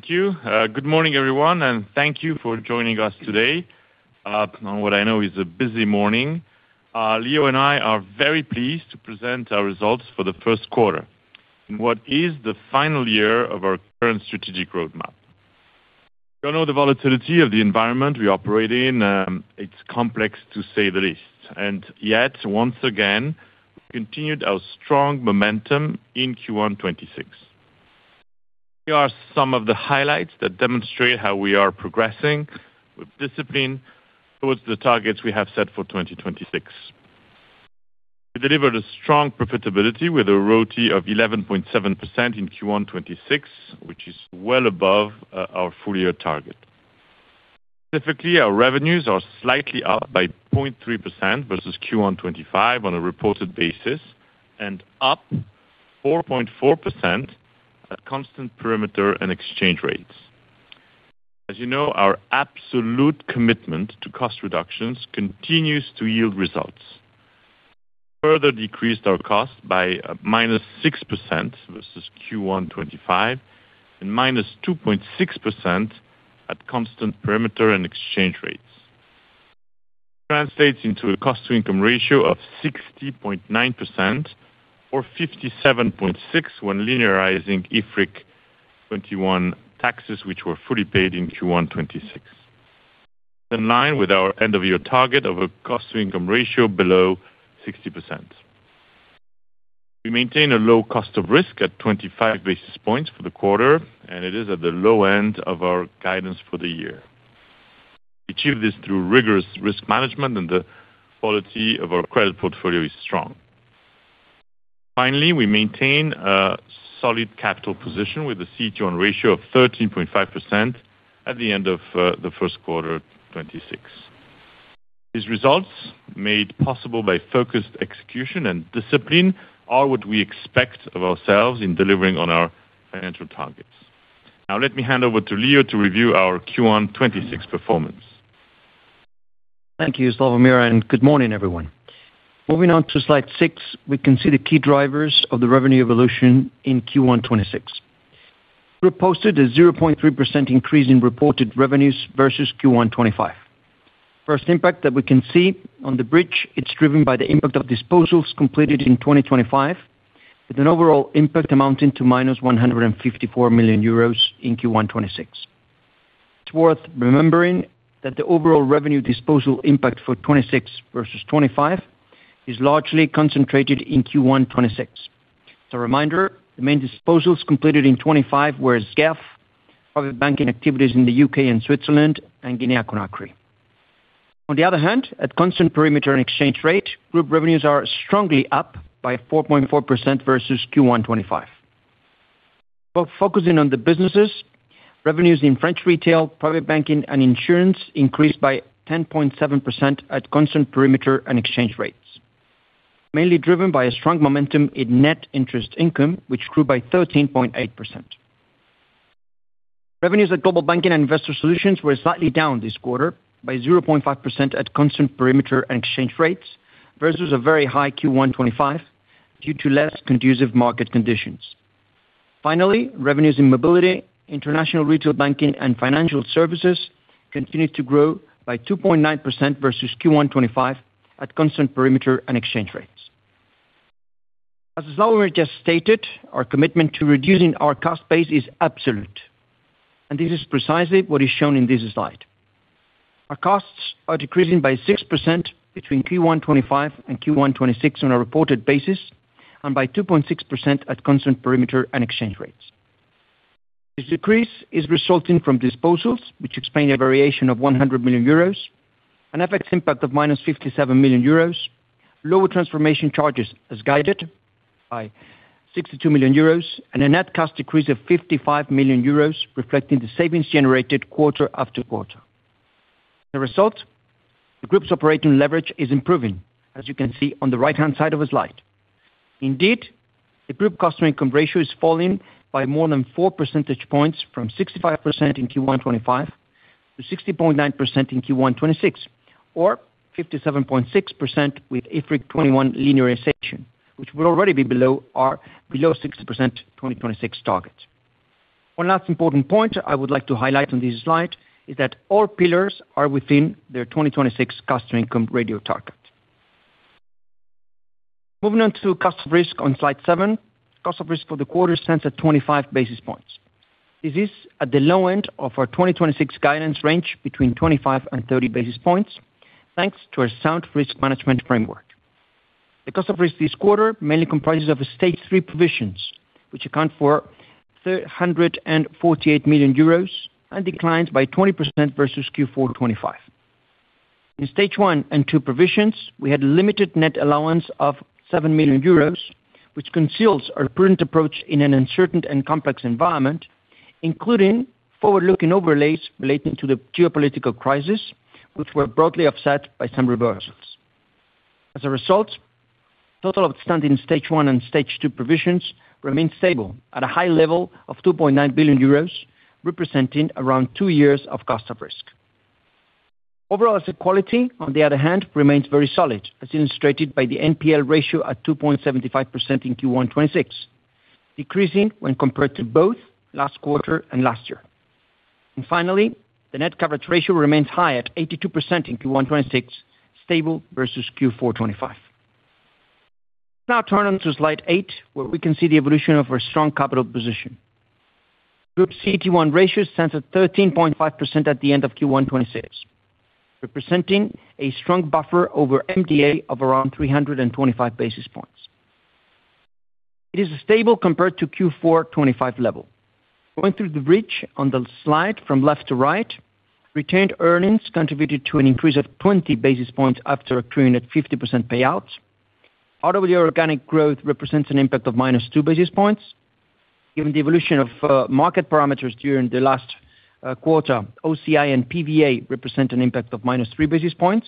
Thank you. Good morning, everyone, thank you for joining us today on what I know is a busy morning. Leo and I are very pleased to present our results for the first quarter in what is the final year of our current strategic roadmap. You all know the volatility of the environment we operate in. It's complex to say the least, yet once again, we continued our strong momentum in Q1 2026. Here are some of the highlights that demonstrate how we are progressing with discipline towards the targets we have set for 2026. We delivered a strong profitability with a ROTE of 11.7% in Q1 2026, which is well above our full year target. Specifically, our revenues are slightly up by 0.3% versus Q1 2025 on a reported basis, and up 4.4% at constant perimeter and exchange rates. As you know, our absolute commitment to cost reductions continues to yield results. Further decreased our cost by -6% versus Q1 2025 and -2.6% at constant perimeter and exchange rates. Translates into a cost-to-income ratio of 60.9% or 57.6% when linearizing IFRIC 21 taxes, which were fully paid in Q1 2026. In line with our end of year target of a cost-to-income ratio below 60%. We maintain a low cost of risk at 25 basis points for the quarter, and it is at the low end of our guidance for the year. We achieve this through rigorous risk management, and the quality of our credit portfolio is strong. Finally, we maintain a solid capital position with the CET1 ratio of 13.5% at the end of the first quarter 2026. These results, made possible by focused execution and discipline, are what we expect of ourselves in delivering on our financial targets. Let me hand over to Leo to review our Q1 2026 performance. Thank you, Slawomir, and good morning, everyone. Moving on to slide six, we can see the key drivers of the revenue evolution in Q1 2026. We posted a 0.3% increase in reported revenues versus Q1 2025. First impact that we can see on the bridge, it's driven by the impact of disposals completed in 2025 with an overall impact amounting to -154 million euros in Q1 2026. It's worth remembering that the overall revenue disposal impact for 2026 versus 2025 is largely concentrated in Q1 2026. As a reminder, the main disposals completed in 2025 were SGEF, private banking activities in the U.K. and Switzerland, and Guinea Conakry. On the other hand, at constant perimeter and exchange rate, group revenues are strongly up by 4.4% versus Q1 2025. Both focusing on the businesses, revenues in French Retail, Private Banking, and Insurance increased by 10.7% at constant perimeter and exchange rates. Mainly driven by a strong momentum in Net Interest Income, which grew by 13.8%. Revenues at Global Banking and Investor Solutions were slightly down this quarter by 0.5% at constant perimeter and exchange rates versus a very high Q1 2025 due to less conducive market conditions. Finally, revenues in mobility, international retail banking and financial services continued to grow by 2.9% versus Q1 2025 at constant perimeter and exchange rates. As Slawomir just stated, our commitment to reducing our cost base is absolute, and this is precisely what is shown in this slide. Our costs are decreasing by 6% between Q1 2025 and Q1 2026 on a reported basis, and by 2.6% at constant perimeter and exchange rates. This decrease is resulting from disposals which explain a variation of 100 million euros, an FX impact of minus 57 million euros, lower transformation charges as guided by 62 million euros, and a net cost decrease of 55 million euros, reflecting the savings generated quarter-after-quarter. The result, the group's operating leverage is improving, as you can see on the right-hand side of the slide. Indeed, the group cost-to-income ratio is falling by more than 4 percentage points from 65% in Q1 2025 to 60.9% in Q1 2026, or 57.6% with IFRIC 21 linearization, which would already be below our below 60% 2026 target. One last important point I would like to highlight on this slide is that all pillars are within their 2026 cost-to-income ratio target. Moving on to cost of risk on slide seven. Cost of risk for the quarter stands at 25 basis points. This is at the low end of our 2026 guidance range, between 25 and 30 basis points, thanks to our sound risk management framework. The cost of risk this quarter mainly comprises of stage three provisions, which account for 348 million euros, and declines by 20% versus Q4 2025. In stage one and two provisions, we had limited net allowance of 7 million euros, which conceals our prudent approach in an uncertain and complex environment, including forward-looking overlays relating to the geopolitical crisis, which were broadly offset by some reversals. As a result, total outstanding stage one and stage two provisions remain stable at a high level of 2.9 billion euros, representing around two years of cost of risk. Overall asset quality, on the other hand, remains very solid, as illustrated by the NPL ratio at 2.75% in Q1 2026, decreasing when compared to both last quarter and last year. Finally, the net coverage ratio remains high at 82% in Q1 2026, stable versus Q4 2025. Now turn onto slide eight, where we can see the evolution of our strong capital position. Group CET1 ratio stands at 13.5% at the end of Q1 2026, representing a strong buffer over MDA of around 325 basis points. It is stable compared to Q4 2025 level. Going through the bridge on the slide from left to right, retained earnings contributed to an increase of 20 basis points after accruing at 50% payout. RWA organic growth represents an impact of -2 basis points. Given the evolution of market parameters during the last quarter, OCI and PVA represent an impact of -3 basis points.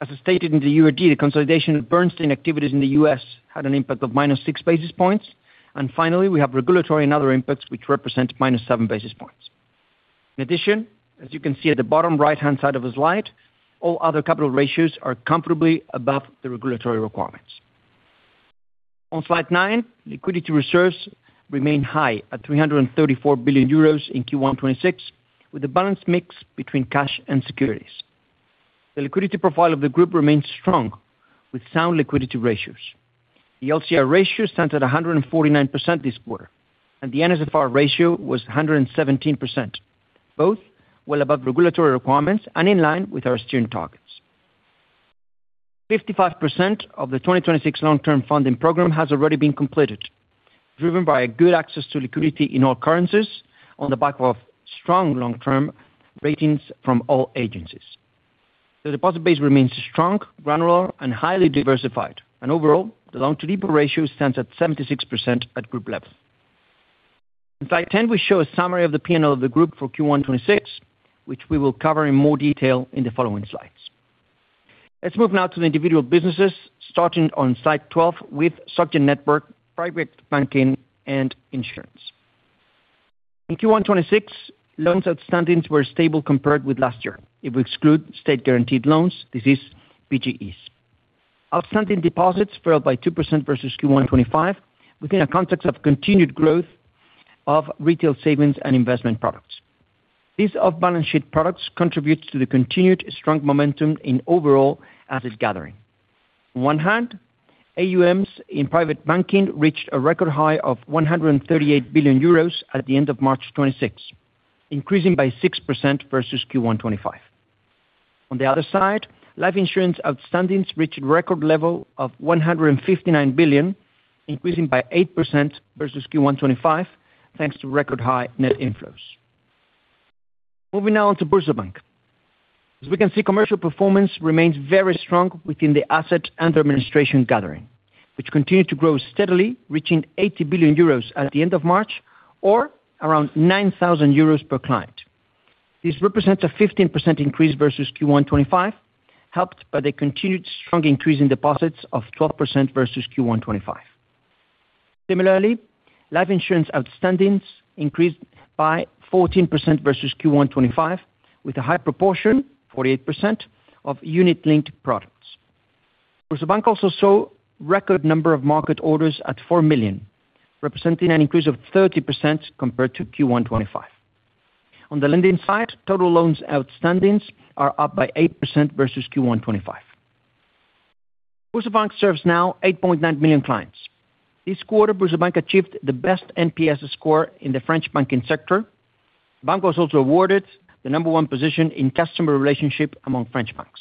As stated in the URD, the consolidation of Bernstein activities in the U.S. had an impact of -6 basis points. Finally, we have regulatory and other impacts which represent -7 basis points. In addition, as you can see at the bottom right-hand side of the slide, all other capital ratios are comfortably above the regulatory requirements. On slide nine, liquidity reserves remain high at 334 billion euros in Q1 2026, with a balanced mix between cash and securities. The liquidity profile of the group remains strong, with sound liquidity ratios. The LCR ratio stands at 149% this quarter, and the NSFR ratio was 117%, both well above regulatory requirements and in line with our steering targets. 55% of the 2026 long-term funding program has already been completed, driven by good access to liquidity in all currencies on the back of strong long-term ratings from all agencies. Overall, the loan-to-deposit ratio stands at 76% at group level. In slide 10, we show a summary of the P&L of the group for Q1 2026, which we will cover in more detail in the following slides. Let's move now to the individual businesses, starting on slide 12 with SG Network, Private Banking, and Insurance. In Q1 2026, loans outstandings were stable compared with last year. If we exclude State-Guaranteed Loans, this is PGEs. Outstanding deposits fell by 2% versus Q1 2025, within a context of continued growth of retail savings and investment products. These off-balance-sheet products contributes to the continued strong momentum in overall asset gathering. On one hand, AUMs in private banking reached a record high of 138 billion euros at the end of March 2026, increasing by 6% versus Q1 2025. On the other side, life insurance outstandings reached record level of 159 billion, increasing by 8% versus Q1 2025, thanks to record high net inflows. Moving now on to BoursoBank. As we can see, commercial performance remains very strong within the asset under administration gathering, which continued to grow steadily, reaching 80 billion euros at the end of March or around 9,000 euros per client. This represents a 15% increase versus Q1 2025, helped by the continued strong increase in deposits of 12% versus Q1 2025. Similarly, life insurance outstandings increased by 14% versus Q1 2025, with a high proportion, 48%, of unit-linked products. BoursoBank also saw record number of market orders at 4 million, representing an increase of 30% compared to Q1 2025. On the lending side, total loans outstandings are up by 8% versus Q1 2025. BoursoBank serves now 8.9 million clients. This quarter, BoursoBank achieved the best NPS score in the French banking sector. The bank was also awarded the number one position in customer relationship among French banks.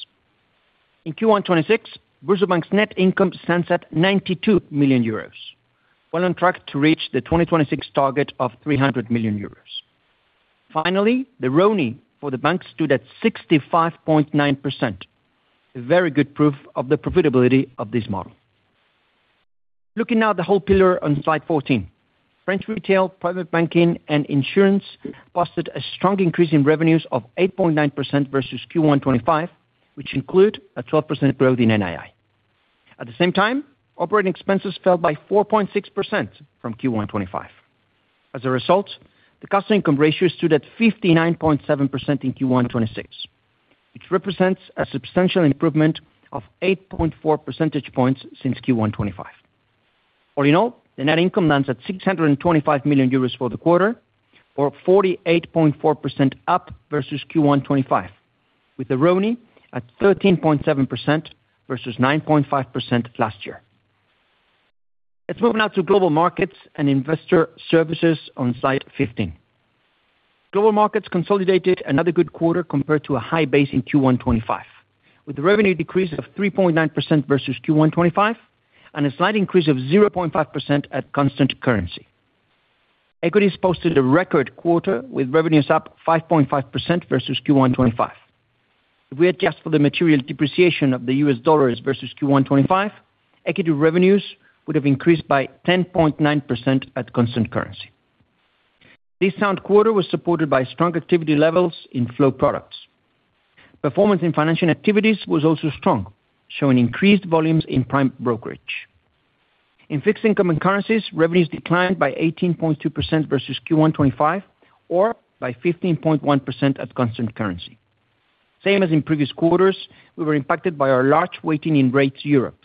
In Q1 2026, BoursoBank's net income stands at 92 million euros, well on track to reach the 2026 target of 300 million euros. Finally, the RONE for the bank stood at 65.9%, a very good proof of the profitability of this model. Looking now at the whole pillar on slide 14, French Retail, Private Banking, and Insurance posted a strong increase in revenues of 8.9% versus Q1 2025, which include a 12% growth in NII. At the same time, operating expenses fell by 4.6% from Q1 2025. As a result, the cost-to-income ratio stood at 59.7% in Q1 2026, which represents a substantial improvement of 8.4 percentage points since Q1 2025. All in all, the net income lands at 625 million euros for the quarter or 48.4% up versus Q1 2025, with the RONE at 13.7% versus 9.5% last year. Let's move now to Global Markets and Investor Solutions on slide 15. Global Markets consolidated another good quarter compared to a high base in Q1 2025, with a revenue decrease of 3.9% versus Q1 2025 and a slight increase of 0.5% at constant currency. Equities posted a record quarter, with revenues up 5.5% versus Q1 2025. If we adjust for the material depreciation of the US dollars versus Q1 2025, equity revenues would have increased by 10.9% at constant currency. This sound quarter was supported by strong activity levels in flow products. Performance in financial activities was also strong, showing increased volumes in prime brokerage. In fixed income and currencies, revenues declined by 18.2% versus Q1 2025, or by 15.1% at constant currency. Same as in previous quarters, we were impacted by our large weighting in rates Europe.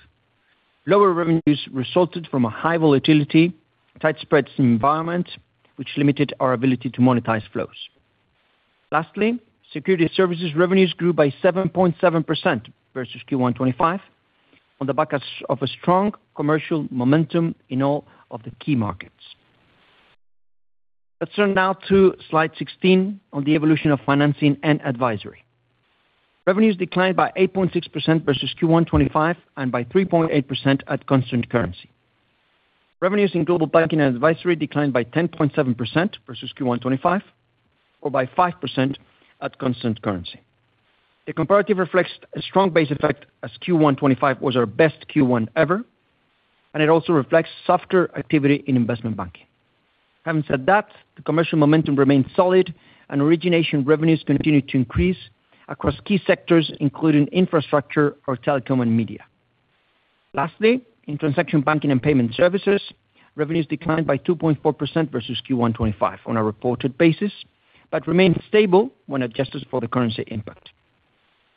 Lower revenues resulted from a high volatility, tight spreads environment, which limited our ability to monetize flows. Lastly, security services revenues grew by 7.7% versus Q1 2025 on the back of a strong commercial momentum in all of the key markets. Let's turn now to slide 16 on the evolution of financing and advisory. Revenues declined by 8.6% versus Q1 2025, and by 3.8% at constant currency. Revenues in Global Banking and Investor Solutions declined by 10.7% versus Q1 2025, or by 5% at constant currency. The comparative reflects a strong base effect as Q1 2025 was our best Q1 ever, and it also reflects softer activity in investment banking. Having said that, the commercial momentum remains solid and origination revenues continue to increase across key sectors, including infrastructure or telecom and media. Lastly, in transaction banking and payment services, revenues declined by 2.4% versus Q1 2025 on a reported basis, but remained stable when adjusted for the currency impact.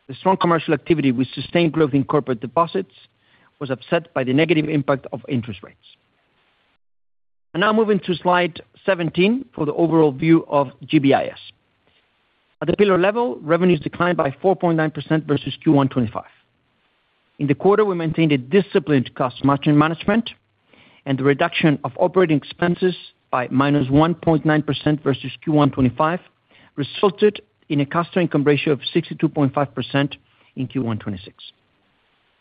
The strong commercial activity with sustained growth in corporate deposits was upset by the negative impact of interest rates. Now moving to slide 17 for the overall view of GBIS. At the pillar level, revenues declined by 4.9% versus Q1 2025. In the quarter, we maintained a disciplined cost margin management and the reduction of operating expenses by -1.9% versus Q1 2025 resulted in a cost-income ratio of 62.5% in Q1 2026.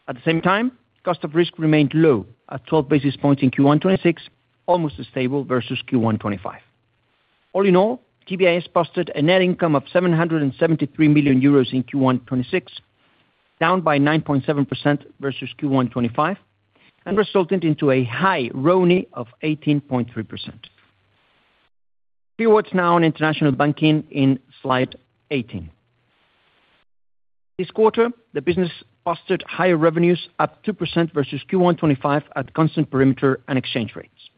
At the same time, cost of risk remained low at 12 basis points in Q1 2026, almost stable versus Q1 2025. All in all, GBIS posted a net income of 773 million euros in Q1 2026, down by 9.7% versus Q1 2025, and resulted into a high RONE of 18.3%. Few words now on international banking in slide 18. This quarter, the business posted higher revenues, up 2% versus Q1 2025 at constant perimeter and exchange rates.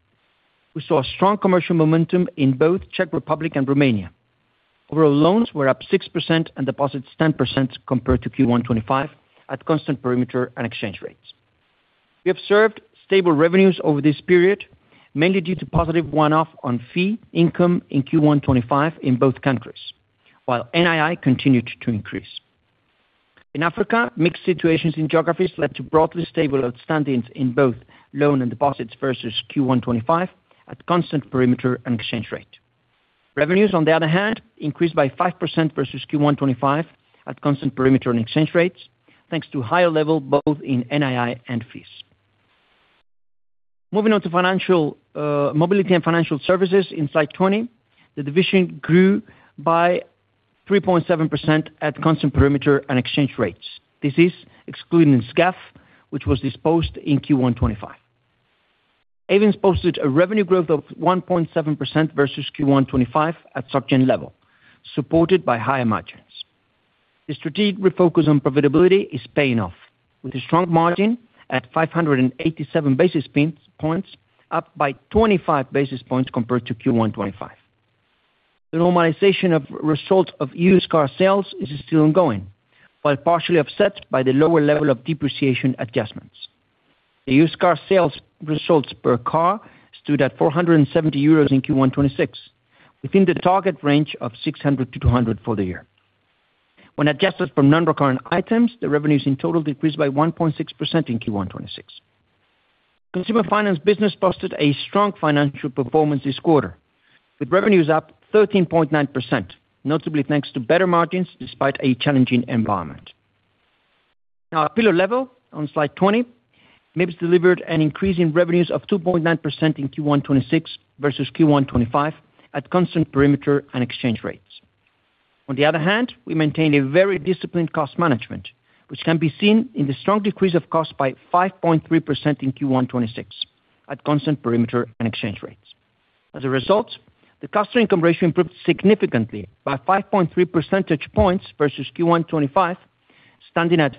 We saw a strong commercial momentum in both Czech Republic and Romania. Overall loans were up 6% and deposits 10% compared to Q1 2025 at constant perimeter and exchange rates. We observed stable revenues over this period, mainly due to positive one-off on fee income in Q1 2025 in both countries, while NII continued to increase. In Africa, mixed situations in geographies led to broadly stable outstandings in both loan and deposits versus Q1 2025 at constant perimeter and exchange rate. Revenues, on the other hand, increased by 5% versus Q1 2025 at constant perimeter and exchange rates, thanks to higher level, both in NII and fees. Moving on to financial mobility and financial services in slide 20, the division grew by 3.7% at constant perimeter and exchange rates. This is excluding SGEF, which was disposed in Q1 2025. Ayvens posted a revenue growth of 1.7% versus Q1 2025 at SocGen level, supported by higher margins. The strategic refocus on profitability is paying off, with a strong margin at 587 basis points, up by 25 basis points compared to Q1 2025. The normalization of results of used car sales is still ongoing, but partially offset by the lower level of depreciation adjustments. The used car sales results per car stood at 470 euros in Q1 2026, within the target range of 600-200 for the year. When adjusted from non-recurrent items, the revenues in total decreased by 1.6% in Q1 2026. Consumer finance business posted a strong financial performance this quarter, with revenues up 13.9%, notably thanks to better margins despite a challenging environment. At pillar level, on slide 20, MIBS delivered an increase in revenues of 2.9% in Q1 2026 versus Q1 2025 at constant perimeter and exchange rates. We maintained a very disciplined cost management, which can be seen in the strong decrease of cost by 5.3% in Q1 2026 at constant perimeter and exchange rates. As a result the cost income ratio improved significantly by 5.3 percentage points versus Q1 2025, standing at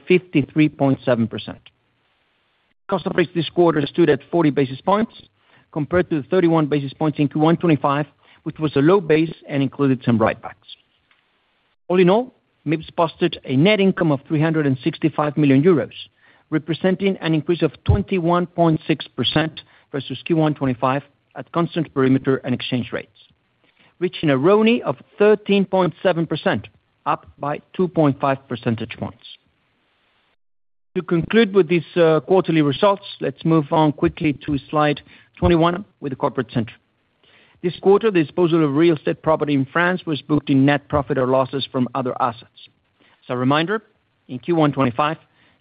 53.7%. Cost of risk this quarter stood at 40 basis points compared to the 31 basis points in Q1 2025, which was a low base and included some write-backs. All in all, MIBS posted a net income of 365 million euros, representing an increase of 21.6% versus Q1 2025 at constant perimeter and exchange rates, reaching a RONE of 13.7%, up by 2.5 percentage points. To conclude with these quarterly results, let's move on quickly to slide 21 with the corporate center. This quarter, the disposal of real estate property in France was booked in net profit or losses from other assets. As a reminder, in Q1 2025,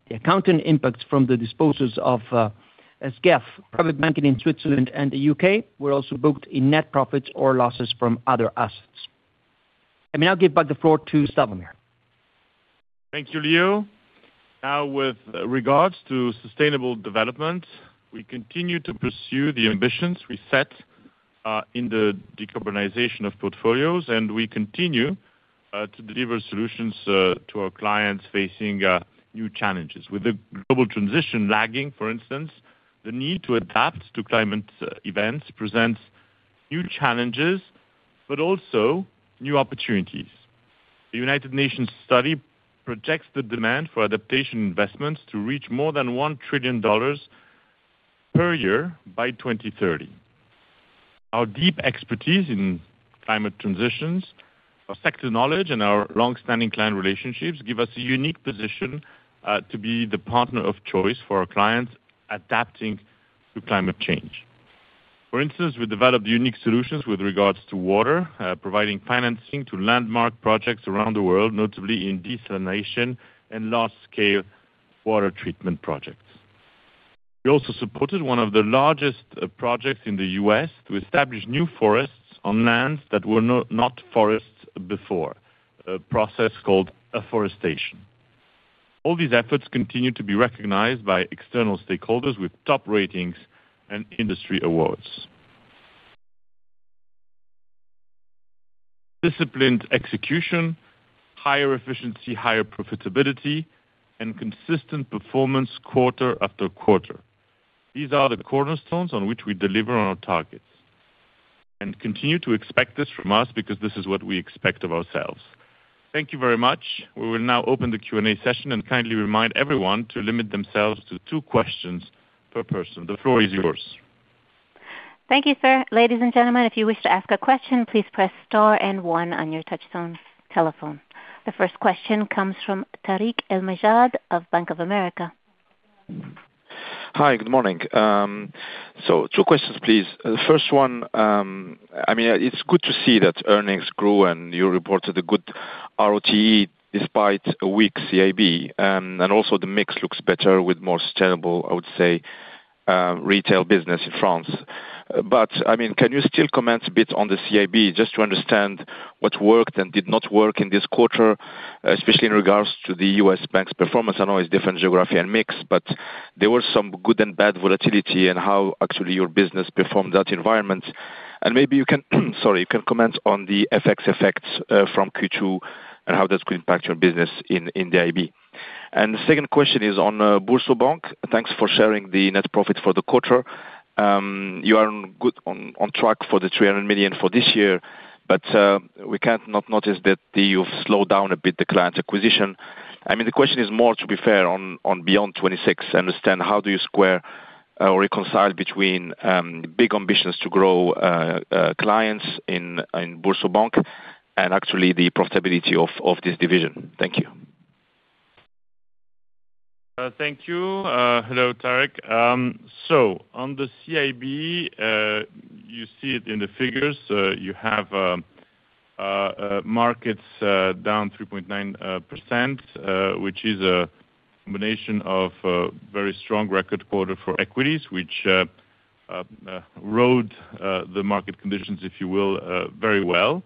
the accounting impact from the disposals of SGEF, private banking in Switzerland and the U.K. were also booked in net profits or losses from other assets. I may now give back the floor to Slawomir. Thank you, Leo. With regards to sustainable development, we continue to pursue the ambitions we set in the decarbonization of portfolios, and we continue to deliver solutions to our clients facing new challenges. With the global transition lagging, for instance, the need to adapt to climate events presents new challenges, but also new opportunities. The United Nations study projects the demand for adaptation investments to reach more than $1 trillion per year by 2030. Our deep expertise in climate transitions, our sector knowledge, and our long-standing client relationships give us a unique position to be the partner of choice for our clients adapting to climate change. For instance, we developed unique solutions with regards to water, providing financing to landmark projects around the world, notably in desalination and large-scale water treatment projects. We also supported one of the largest projects in the U.S. to establish new forests on lands that were not forests before, a process called afforestation. All these efforts continue to be recognized by external stakeholders with top ratings and industry awards. Disciplined execution, higher efficiency, higher profitability, and consistent performance quarter-after-quarter. These are the cornerstones on which we deliver on our targets. Continue to expect this from us because this is what we expect of ourselves. Thank you very much. We will now open the Q&A session and kindly remind everyone to limit themselves to two questions per person. The floor is yours. Thank you, sir. Ladies and gentlemen if you wish to ask a question. Please press star and one on your touchtone telephone. The first question comes from Tarik El Mejjad of Bank of America. Hi, good morning. Two questions, please. The first one, I mean, it's good to see that earnings grew, and you reported a good ROTE despite a weak CIB. Also the mix looks better with more sustainable, I would say, retail business in France. I mean, can you still comment a bit on the CIB just to understand what worked and did not work in this quarter, especially in regards to the US bank's performance? I know it's different geography and mix, there were some good and bad volatility in how actually your business performed that environment. Maybe you can, sorry, you can comment on the FX effects from Q2 and how that's going to impact your business in the CIB. The second question is on BoursoBank. Thanks for sharing the net profit for the quarter. You are on track for 300 million for this year, but we can't not notice that you've slowed down a bit the client acquisition. I mean, the question is more to be fair on beyond 2026. I understand how do you square or reconcile between big ambitions to grow clients in BoursoBank and actually the profitability of this division. Thank you. Thank you. Hello, Tarik. On the CIB, you see it in the figures. You have markets down 3.9%, which is a combination of very strong record quarter for equities, which rode the market conditions, if you will, very well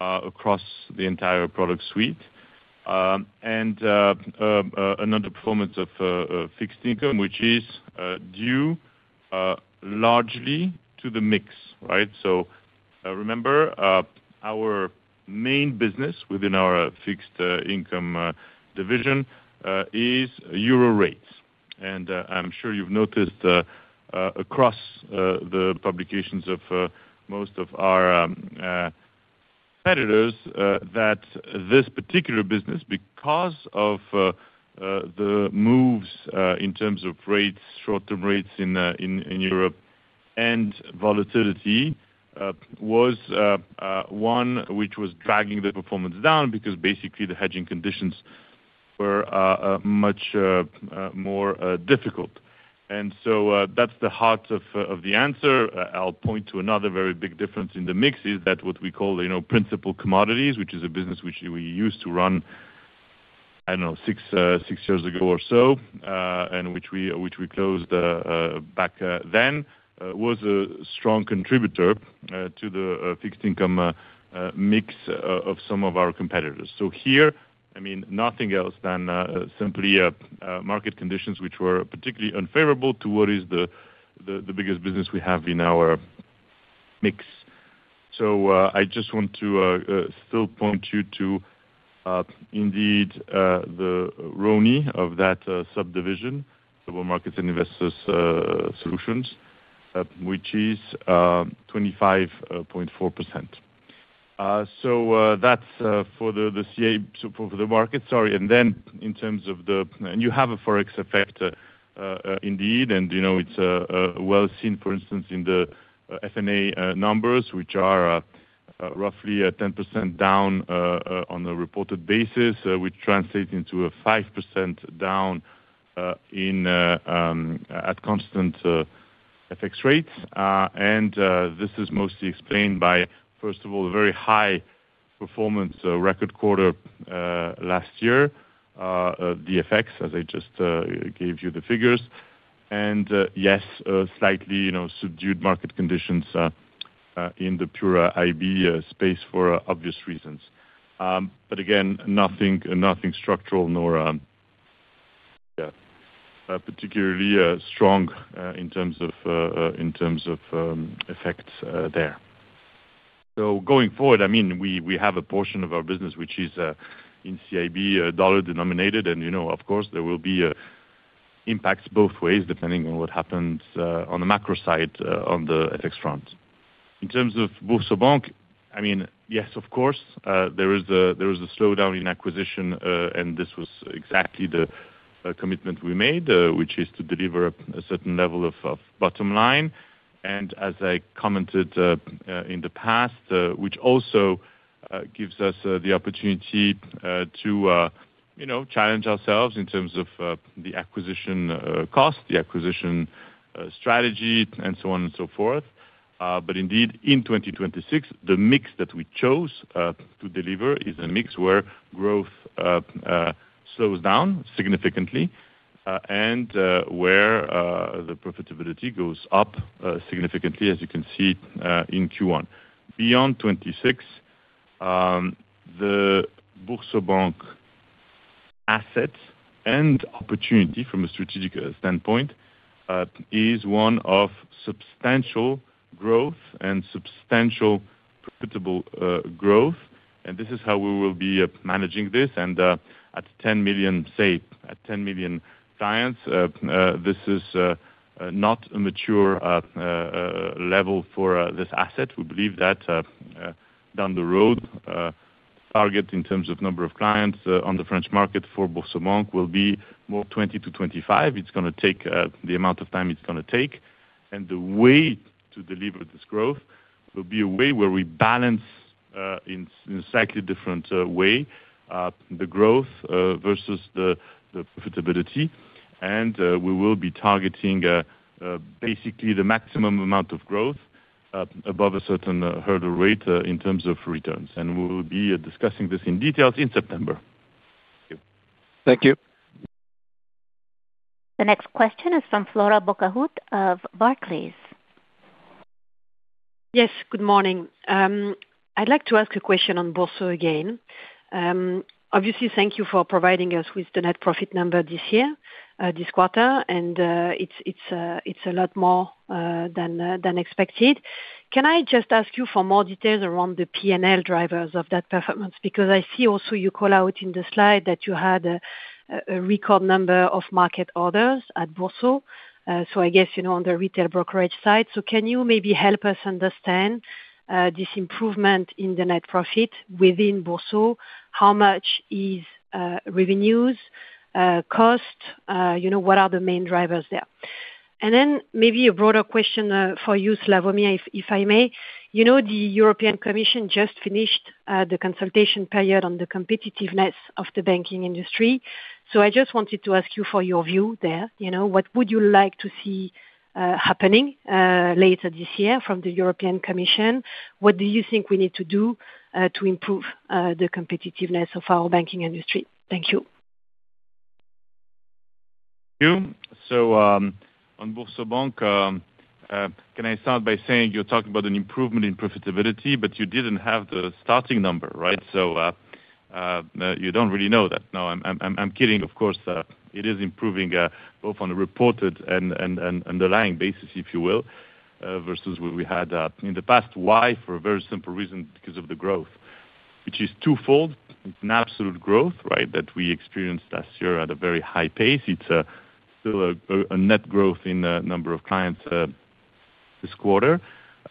across the entire product suite. Another performance of fixed income, which is due largely to the mix, right? Remember, our main business within our fixed income division is euro rates. I'm sure you've noticed across the publications of most of our competitors that this particular business, because of the moves in terms of rates, short-term rates in Europe and volatility, was one which was dragging the performance down because basically the hedging conditions were much more difficult. That's the heart of the answer. I'll point to another very big difference in the mix is that what we call, you know, principal commodities, which is a business which we used to run, I don't know, six years ago or so, and which we closed back then, was a strong contributor to the fixed income mix of some of our competitors. Here, I mean, nothing else than simply market conditions which were particularly unfavorable to what is the biggest business we have in our mix. I just want to still point you to indeed the RONE of that subdivision, Global Markets and Investor Solutions, which is 25.4%. That's for the market, sorry. You have a Forex effect indeed, and, you know, it's well seen, for instance, in the F&A numbers, which are roughly at 10% down on a reported basis, which translates into a 5% down in at constant FX rates. This is mostly explained by, first of all, very high performance, record quarter, last year, the FX, as I just gave you the figures. Yes, slightly, you know, subdued market conditions in the pure CIB space for obvious reasons. Again, nothing structural nor particularly strong in terms of effects there. Going forward, I mean, we have a portion of our business which is in CIB, dollar-denominated, and you know, of course, there will be impacts both ways depending on what happens on the macro side, on the FX front. In terms of BoursoBank, I mean, yes, of course, there is a slowdown in acquisition, and this was exactly the commitment we made, which is to deliver a certain level of bottom line. As I commented in the past, which also gives us the opportunity to, you know, challenge ourselves in terms of the acquisition cost, the acquisition strategy, and so on and so forth. Indeed, in 2026, the mix that we chose to deliver is a mix where growth slows down significantly, and where the profitability goes up significantly, as you can see in Q1. Beyond 2026, the BoursoBank assets and opportunity from a strategic standpoint is one of substantial growth and substantial profitable growth. This is how we will be managing this. At 10 million, say, at 10 million clients, this is not a mature level for this asset. We believe that down the road, target in terms of number of clients on the French market for BoursoBank will be more 2025. It's gonna take the amount of time it's gonna take, and the way to deliver this growth will be a way where we balance in a slightly different way the growth versus the profitability. We will be targeting basically the maximum amount of growth above a certain hurdle rate in terms of returns. We will be discussing this in details in September. Thank you. Thank you. The next question is from Flora Bocahut of Barclays. Yes, good morning. I'd like to ask a question on Bourso again. Obviously, thank you for providing us with the net profit number this year, this quarter, and it's a lot more than expected. Can I just ask you for more details around the P&L drivers of that performance? I see also you call out in the slide that you had a record number of market orders at Bourso. I guess, you know, on the retail brokerage side. Can you maybe help us understand this improvement in the net profit within Bourso? How much is revenues, cost? You know, what are the main drivers there? Maybe a broader question for you, Slawomir, if I may. You know, the European Commission just finished the consultation period on the competitiveness of the banking industry. I just wanted to ask you for your view there. You know, what would you like to see happening later this year from the European Commission? What do you think we need to do to improve the competitiveness of our banking industry? Thank you. Thank you. On BoursoBank, can I start by saying you're talking about an improvement in profitability, but you didn't have the starting number, right? You don't really know that. No, I'm kidding, of course. It is improving, both on a reported and underlying basis, if you will, versus what we had in the past. Why? For a very simple reason, because of the growth, which is twofold. It's an absolute growth, right, that we experienced last year at a very high pace. It's still a net growth in the number of clients this quarter.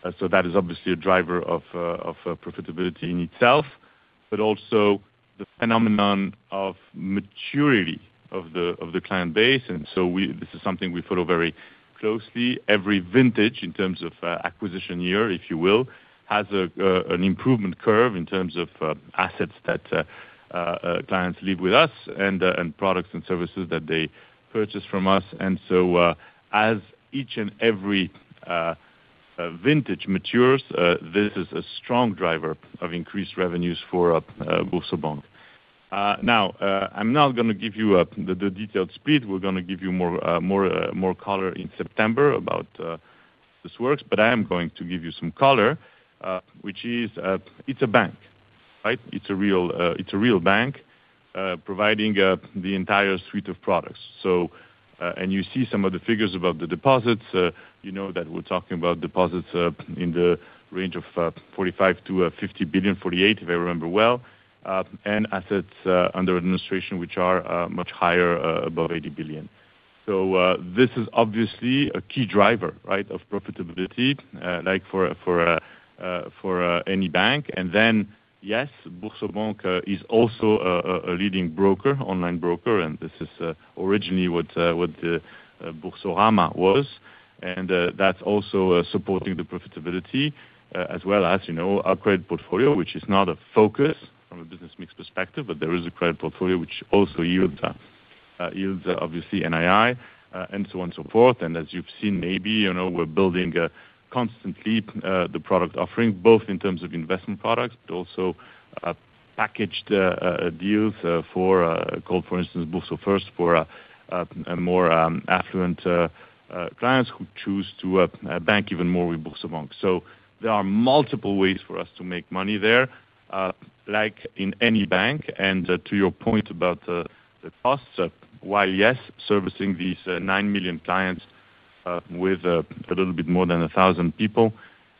That is obviously a driver of profitability in itself, but also the phenomenon of maturity of the client base. This is something we follow very closely. Every vintage in terms of acquisition year, if you will, has an improvement curve in terms of assets that clients leave with us and products and services that they purchase from us. As each and every vintage matures, this is a strong driver of increased revenues for BoursoBank. Now, I'm not gonna give you the detailed speed. We're gonna give you more color in September about how this works. I am going to give you some color, which is, it's a bank, right? It's a real bank, providing the entire suite of products. You see some of the figures above the deposits. you know that we're talking about deposits in the range of 45 billion-50 billion, 48, if I remember well, and assets under administration, which are much higher, above 80 billion. This is obviously a key driver, right, of profitability, like for any bank. Yes, BoursoBank is also a leading broker, online broker, and this is originally what Boursorama was. That's also supporting the profitability, as well as, you know, our credit portfolio, which is not a focus from a business mix perspective, but there is a credit portfolio which also yields, obviously, NII, and so on and so forth. As you've seen, maybe, you know, we're building constantly the product offering, both in terms of investment products, but also packaged deals, for, called, for instance, BoursoFirst for more affluent clients who choose to bank even more with BoursoBank. There are multiple ways for us to make money there, like in any bank. To your point about the costs, while, yes, servicing these 9 million clients with a little bit more than 1,000 people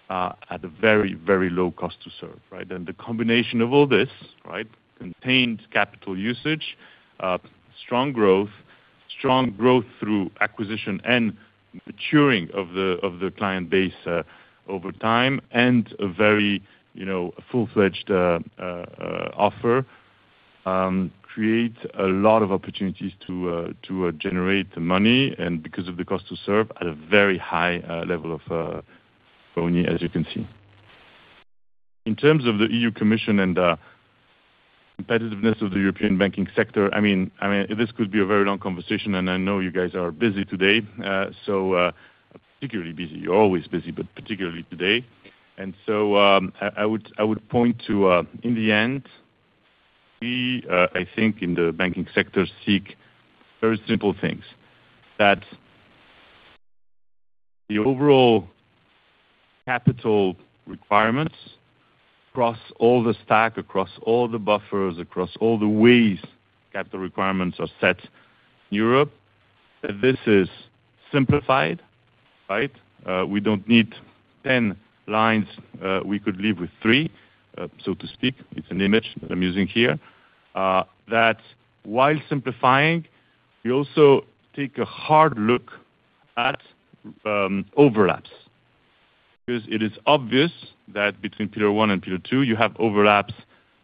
at a very, very low cost to serve, right? The combination of all this, right, contained capital usage, strong growth through acquisition and maturing of the client base, over time, and a very, you know, full-fledged offer, creates a lot of opportunities to generate the money, and because of the cost to serve, at a very high level of RONE, as you can see. In terms of the European Commission and the competitiveness of the European banking sector, I mean, this could be a very long conversation, and I know you guys are busy today. Particularly busy. You're always busy, but particularly today. I would point to, in the end, we, I think in the banking sector seek very simple things. That the overall capital requirements across all the stack, across all the buffers, across all the ways capital requirements are set in Europe, that this is simplified, right? We don't need 10 lines. We could live with three, so to speak. It's an image that I'm using here. That while simplifying, we also take a hard look at overlaps. It is obvious that between Pillar 1 and Pillar 2, you have overlaps,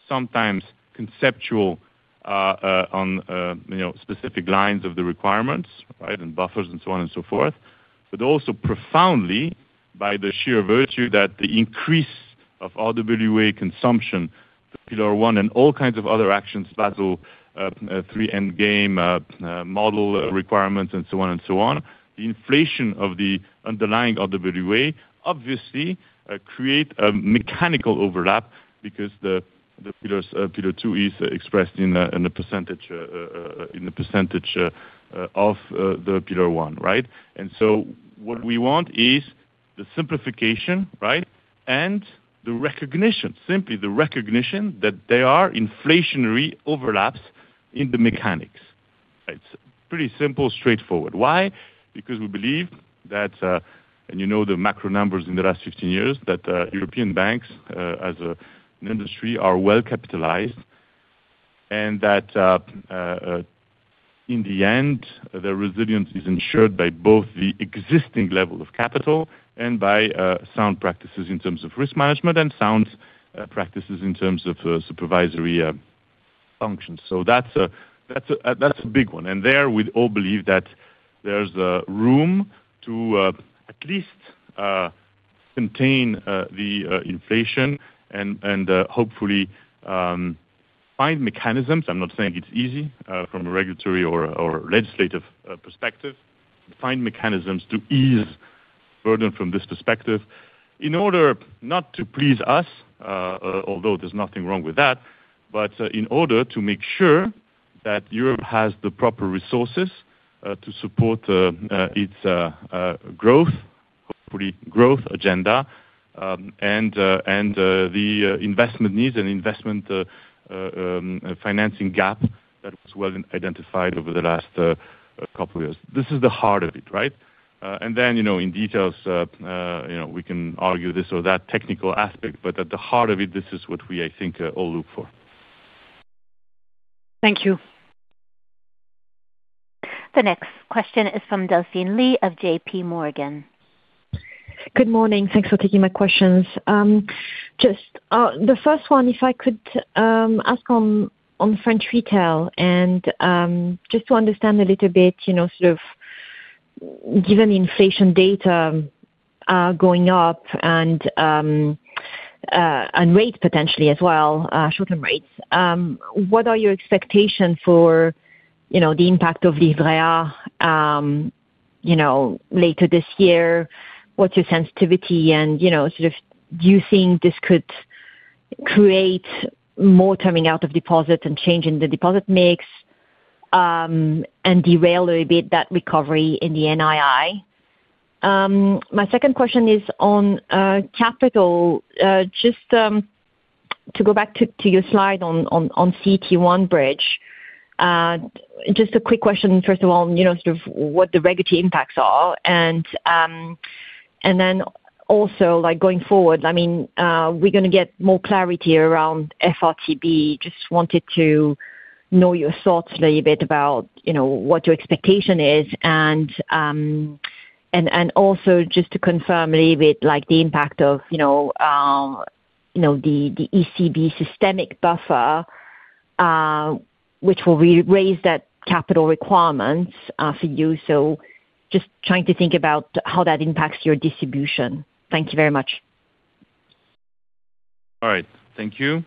sometimes conceptual, on, you know, specific lines of the requirements, right, and buffers and so on and so forth. Also profoundly by the sheer virtue that the increase of RWA consumption, the Pillar 1, and all kinds of other actions, Basel, three end game, model requirements and so on. The inflation of the underlying RWA obviously, create a mechanical overlap because the Pillar 2 is expressed in a percentage of the Pillar 1, right? What we want is the simplification, right, and the recognition, simply the recognition that there are inflationary overlaps in the mechanics. It's pretty simple, straightforward. Why? Because we believe that, and you know the macro numbers in the last 15 years, that European banks, as an industry are well-capitalized, and that, in the end, their resilience is ensured by both the existing level of capital and by sound practices in terms of risk management and sound practices in terms of supervisory functions. That's a big one. There, we all believe that there's room to at least contain the inflation and, hopefully, find mechanisms. I'm not saying it's easy from a regulatory or legislative perspective. Find mechanisms to ease burden from this perspective in order not to please us, although there's nothing wrong with that, in order to make sure that Europe has the proper resources to support its growth, hopefully growth agenda, and the investment needs and investment financing gap that was well identified over the last couple of years. This is the heart of it, right? You know, in details, you know, we can argue this or that technical aspect, but at the heart of it, this is what we, I think, all look for. Thank you. The next question is from Delphine Lee of JPMorgan. Good morning. Thanks for taking my questions. Just the first one, if I could ask on French Retail, and just to understand a little bit, you know, sort of given the inflation data going up and rates potentially as well, short-term rates, what are your expectation for, you know, the impact of Livret A later this year? What's your sensitivity? You know, sort of do you think this could create more terming out of deposits and change in the deposit mix and derail a bit that recovery in the NII? My second question is on capital. Just to go back to your slide on CET1 bridge. Just a quick question, first of all, you know, sort of what the regulatory impacts are. Then also, like, going forward, I mean, we're gonna get more clarity around FRTB. Just wanted to know your thoughts a little bit about, you know, what your expectation is, and also just to confirm a little bit, like, the impact of, you know, the ECB systemic buffer, which will re-raise that capital requirements for you. Just trying to think about how that impacts your distribution. Thank you very much. All right. Thank you.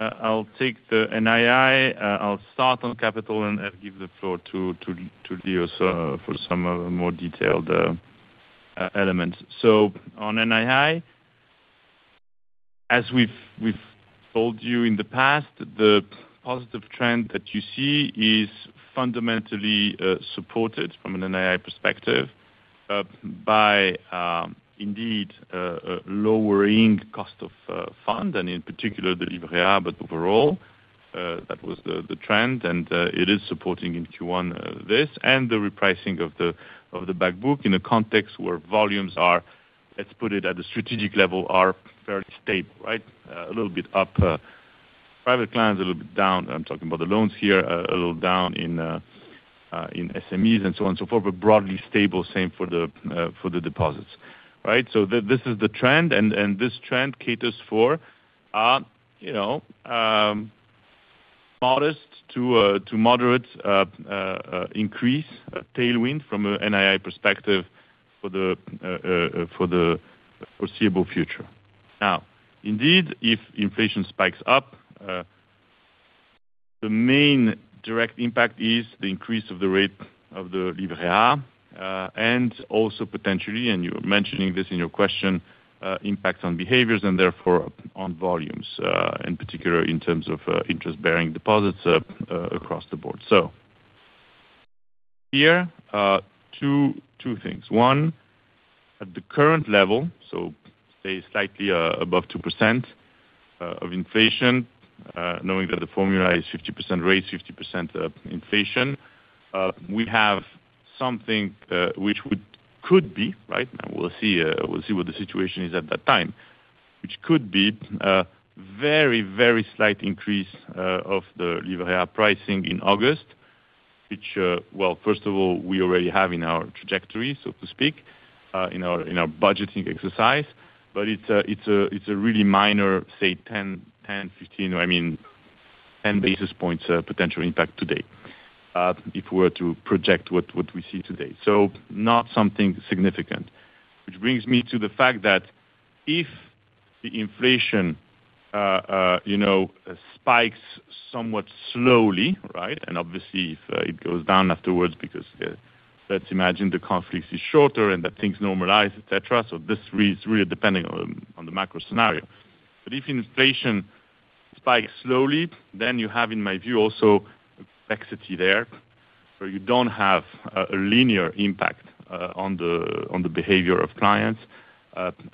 I'll take the NII. I'll start on capital and give the floor to Leo for some more detailed elements. On NII, as we've told you in the past, the positive trend that you see is fundamentally supported from an NII perspective. By indeed lowering cost of funds, and in particular the Livret A, overall that was the trend, and it is supporting in Q1 this and the repricing of the back book in a context where volumes are, let's put it at a strategic level, are fairly stable, right? A little bit up. Private clients a little bit down. I'm talking about the loans here, a little down in SMEs and so on and so forth, but broadly stable, same for the deposits, right? This is the trend, and this trend caters for, you know, modest to moderate increase tailwind from NII perspective for the foreseeable future. Indeed, if inflation spikes up, the main direct impact is the increase of the rate of the Livret A, and also potentially, and you're mentioning this in your question, impacts on behaviors and therefore on volumes, in particular in terms of interest-bearing deposits, across the board. Here are two things. One, at the current level, so stay slightly above 2% of inflation, knowing that the formula is 50% rate, 50% inflation, we have something which could be, right? We'll see what the situation is at that time, which could be a very, very slight increase of the Livret A pricing in August, which, well, first of all, we already have in our trajectory, so to speak, in our budgeting exercise. It's a really minor, say, 10, 15, I mean, 10 basis points potential impact today, if we were to project what we see today. Not something significant. Which brings me to the fact that if the inflation, you know, spikes somewhat slowly, right? Obviously, if it goes down afterwards because, let's imagine the conflict is shorter and that things normalize, et cetera. This is really depending on the macro scenario. If inflation spikes slowly, then you have, in my view, also complexity there, where you don't have a linear impact on the behavior of clients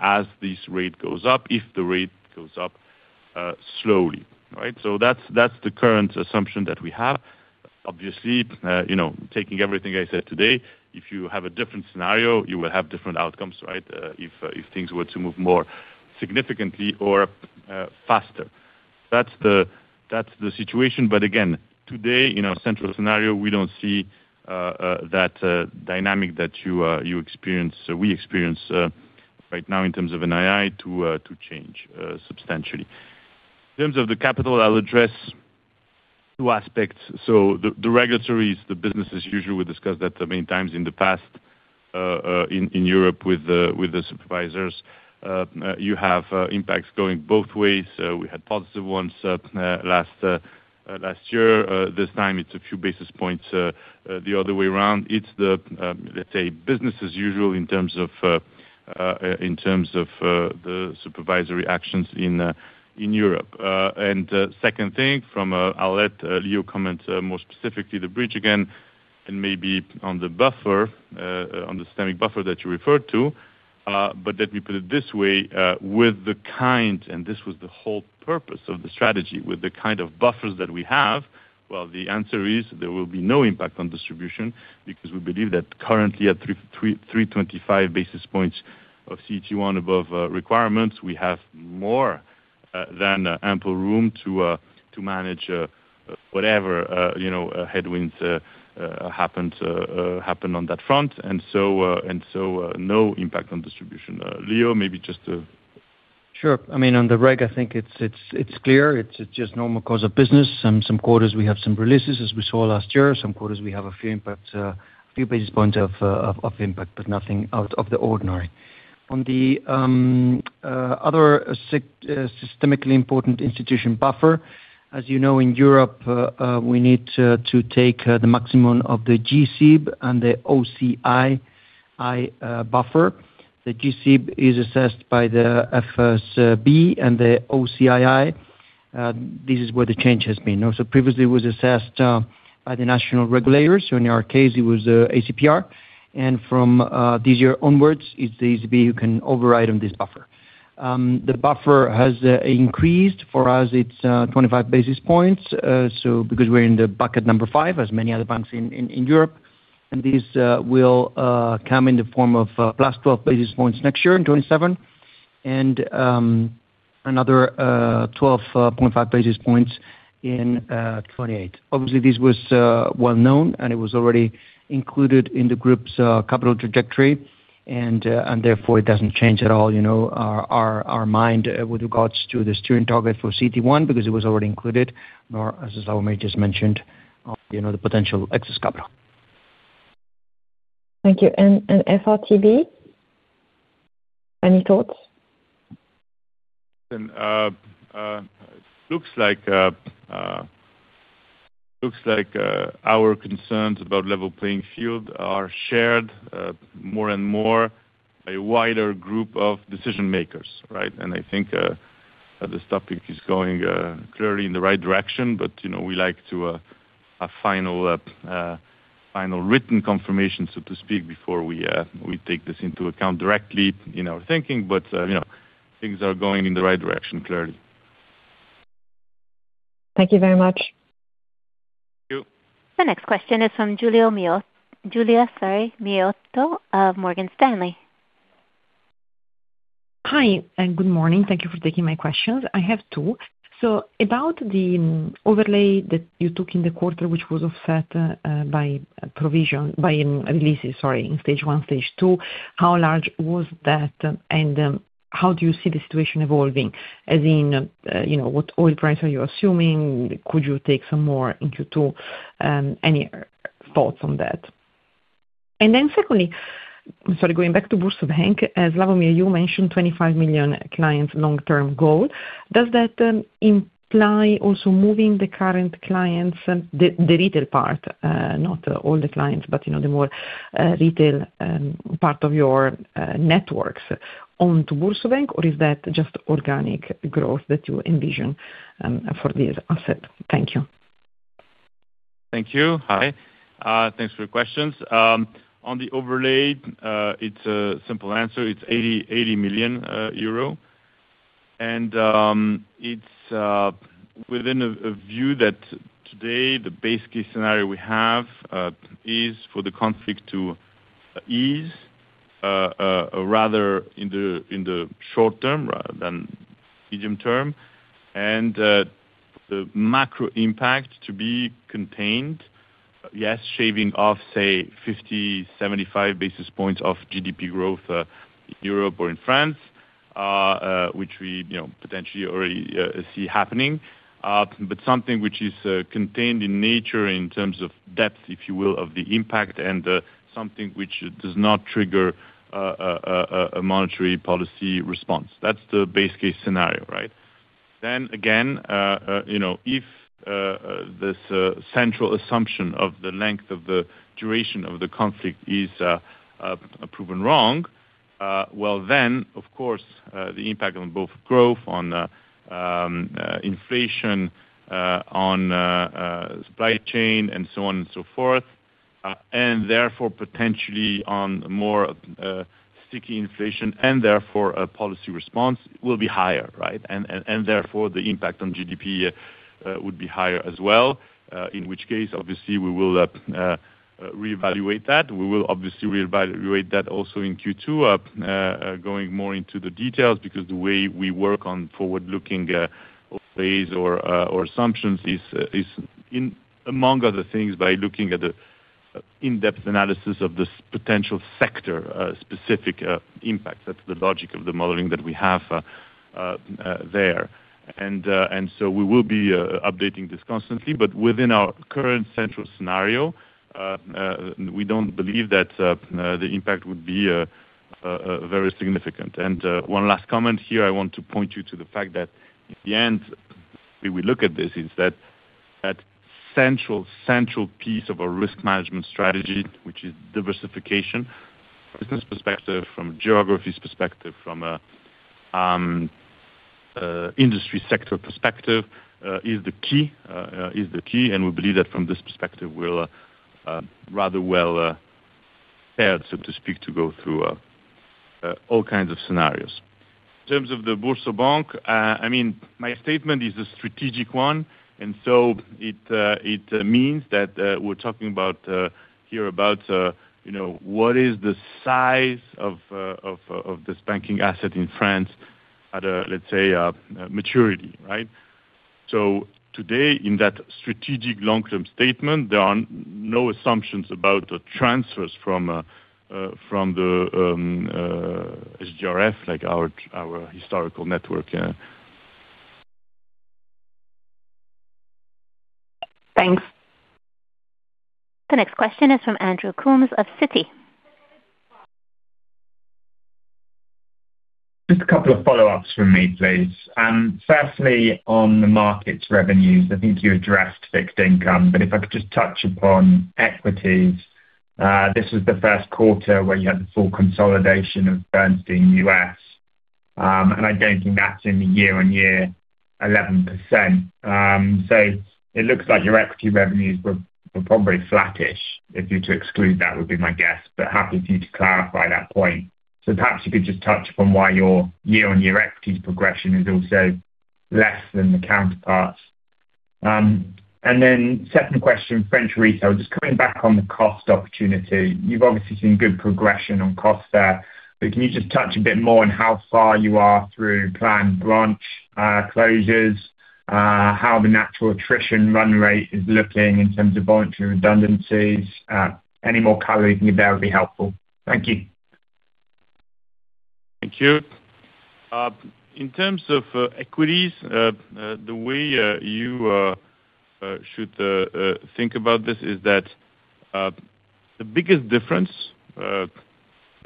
as this rate goes up, if the rate goes up slowly, right. That's the current assumption that we have. Obviously, you know, taking everything I said today, if you have a different scenario, you will have different outcomes, right. If things were to move more significantly or faster. That's the situation. Again, today, in our central scenario, we don't see that dynamic that you experience, we experience right now in terms of NII to change substantially. In terms of the capital, I'll address two aspects. The regulatory is the business as usual. We discussed that many times in the past in Europe with the supervisors. You have impacts going both ways. We had positive ones last year. This time it's a few basis points the other way around. It's the, let's say business as usual in terms of the supervisory actions in Europe. Second thing from, I'll let Leo comment more specifically the bridge again, and maybe on the buffer, on the systemic buffer that you referred to. Let me put it this way, with the kind, and this was the whole purpose of the strategy, with the kind of buffers that we have, well, the answer is there will be no impact on distribution because we believe that currently at 325 basis points of CET1 above requirements, we have more than ample room to manage whatever, you know, headwinds to happen on that front. No impact on distribution. Leo, maybe just. Sure. I mean, on the reg, I think it's clear. It's just normal course of business. Some quarters we have some releases, as we saw last year. Some quarters we have a few impact, a few basis points of impact, but nothing out of the ordinary. On the other systemically important institution buffer, as you know, in Europe, we need to take the maximum of the G-SIB and the O-SII buffer. The G-SIB is assessed by the FSB and the O-SII. This is where the change has been. Previously, it was assessed by the national regulators, so in our case, it was ACPR. From this year onwards, it's the ECB who can override on this buffer. The buffer has increased. For us, it's 25 basis points. Because we're in the bucket number five, as many other banks in Europe, and these will come in the form of +12 basis points next year in 2027, and another 12.5 basis points in 2028. Obviously, this was well-known, and it was already included in the group's capital trajectory, and therefore, it doesn't change at all, you know, our mind with regards to the steering target for CET1 because it was already included, nor as Slawomir just mentioned, you know, the potential excess capital. Thank you. FRTB, any thoughts? Looks like our concerns about level playing field are shared more and more a wider group of decision-makers, right? I think this topic is going clearly in the right direction, but, you know, we like a final written confirmation, so to speak, before we take this into account directly in our thinking. You know, things are going in the right direction, clearly. Thank you very much. Thank you. The next question is from Giulia, sorry, Miotto of Morgan Stanley. Good morning. Thank you for taking my questions. I have two. About the overlay that you took in the quarter, which was offset by releases, sorry, in stage 1, stage 2, how large was that? How do you see the situation evolving, as in, you know, what oil price are you assuming? Could you take some more Q2, any thoughts on that? Secondly, sorry, going back to BoursoBank, as Slawomir, you mentioned 25 million clients long-term goal. Does that imply also moving the current clients, the retail part, not all the clients, but you know, the more retail part of your networks on to BoursoBank, or is that just organic growth that you envision for this asset? Thank you. Thank you. Hi. Thanks for your questions. On the overlay, it's a simple answer. It's 80 million euro. It's within a view that today the base case scenario we have, is for the conflict to ease rather in the short term rather than medium term. The macro impact to be contained, yes, shaving off, say 50, 75 basis points of GDP growth in Europe or in France, which we, you know, potentially already see happening. Something which is contained in nature in terms of depth, if you will, of the impact and something which does not trigger a monetary policy response. That's the base case scenario, right? You know, if this central assumption of the length of the duration of the conflict is proven wrong, well, then of course, the impact on both growth, on inflation, on supply chain and so on and so forth, and therefore potentially on more sticky inflation and therefore a policy response will be higher, right? Therefore, the impact on GDP would be higher as well, in which case obviously we will reevaluate that. We will obviously reevaluate that also in Q2, going more into the details because the way we work on forward-looking phase or assumptions is among other things by looking at the in-depth analysis of this potential sector specific impact. That's the logic of the modeling that we have there. We will be updating this constantly, but within our current central scenario, we don't believe that the impact would be very significant. One last comment here, I want to point you to the fact that at the end, we will look at this is that central piece of a risk management strategy, which is diversification, business perspective, from geographies perspective, from an industry sector perspective, is the key. We believe that from this perspective we're rather well paired, so to speak, to go through all kinds of scenarios. In terms of the BoursoBank, I mean, my statement is a strategic one, and so it means that we're talking about here about, you know, what is the size of this banking asset in France at a, let's say, maturity, right? Today in that strategic long-term statement, there are no assumptions about the transfers from the SGRF, like our historical network, yeah. Thanks. The next question is from Andrew Coombs of Citi. Just a couple of follow-ups from me, please. Firstly, on the markets revenues, I think you addressed fixed income, but if I could just touch upon equities. This was the first quarter where you had the full consolidation of Bernstein U.S., and I don't think that's in the year-on-year 11%. It looks like your equity revenues were probably flattish, if you to exclude that, would be my guess, but happy for you to clarify that point. Perhaps you could just touch upon why your year-on-year equities progression is also less than the counterparts. Second question, French Retail, just coming back on the cost opportunity. You've obviously seen good progression on costs there, can you just touch a bit more on how far you are through planned branch, closures, how the natural attrition run rate is looking in terms of voluntary redundancies? Any more color you can give there would be helpful. Thank you. Thank you. In terms of equities, the way you should think about this is that the biggest difference, there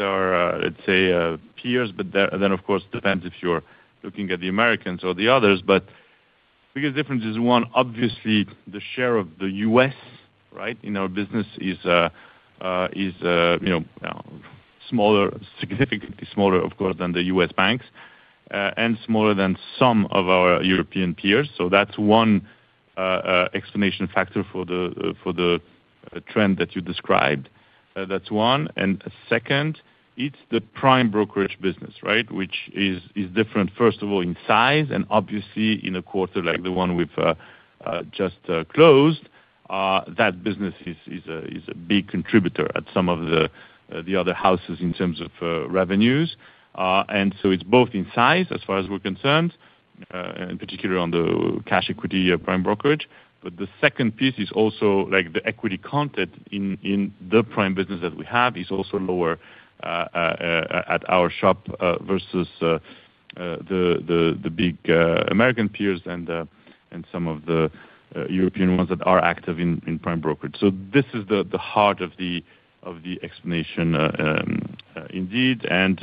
are, let's say, peers, then of course depends if you're looking at the Americans or the others. Biggest difference is one, obviously the share of the U.S. right in our business is, you know, smaller, significantly smaller, of course, than the US banks, and smaller than some of our European peers. That's one explanation factor for the trend that you described. That's one. Second, it's the prime brokerage business, right? Which is different, first of all, in size and obviously in a quarter like the one we've just closed, that business is a big contributor at some of the other houses in terms of revenues. So it's both in size as far as we're concerned, in particular on the cash equity prime brokerage. The second piece is also like the equity content in the prime business that we have is also lower at our shop versus the big American peers and some of the European ones that are active in prime brokerage. This is the heart of the explanation, indeed, and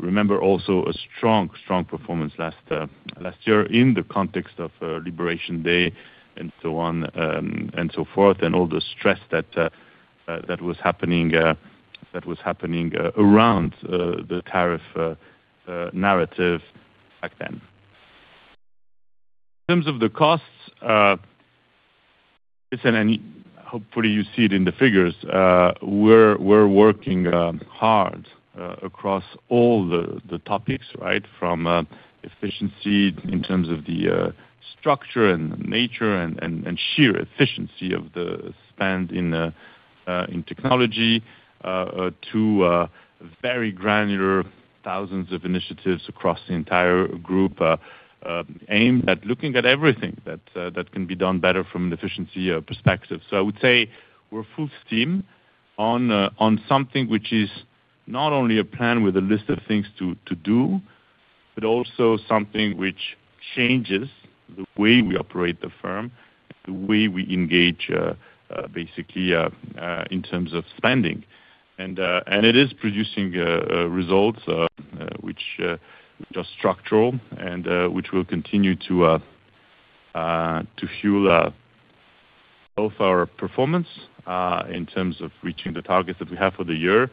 remember also a strong performance last year in the context of Liberation Day and so on, and so forth, and all the stress that was happening around the tariff narrative back then. In terms of the costs, listen, and hopefully you see it in the figures, we're working hard across all the topics, right? From efficiency in terms of the structure and nature and sheer efficiency of the spend in technology, to very granular thousands of initiatives across the entire group, aimed at looking at everything that can be done better from an efficiency perspective. I would say we're full steam on something which is not only a plan with a list of things to do, but also something which changes the way we operate the firm, the way we engage, basically, in terms of spending. It is producing results which are structural and which will continue to fuel both our performance in terms of reaching the targets that we have for the year.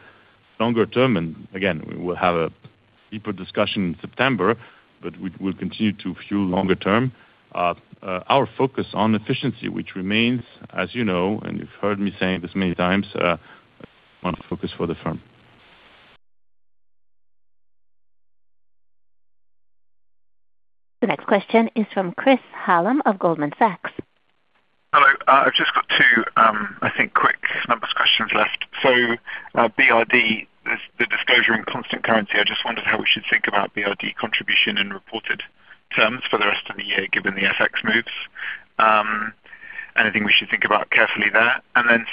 Longer term, again, we will have a deeper discussion in September, but we'll continue to fuel longer term our focus on efficiency, which remains, as you know, and you've heard me saying this many times, one focus for the firm. The next question is from Chris Hallam of Goldman Sachs. Hello. I've just got two, I think, quick numbers questions left. BRD, the disclosure in constant currency, I just wondered how we should think about BRD contribution in reported terms for the rest of the year, given the FX moves. Anything we should think about carefully there?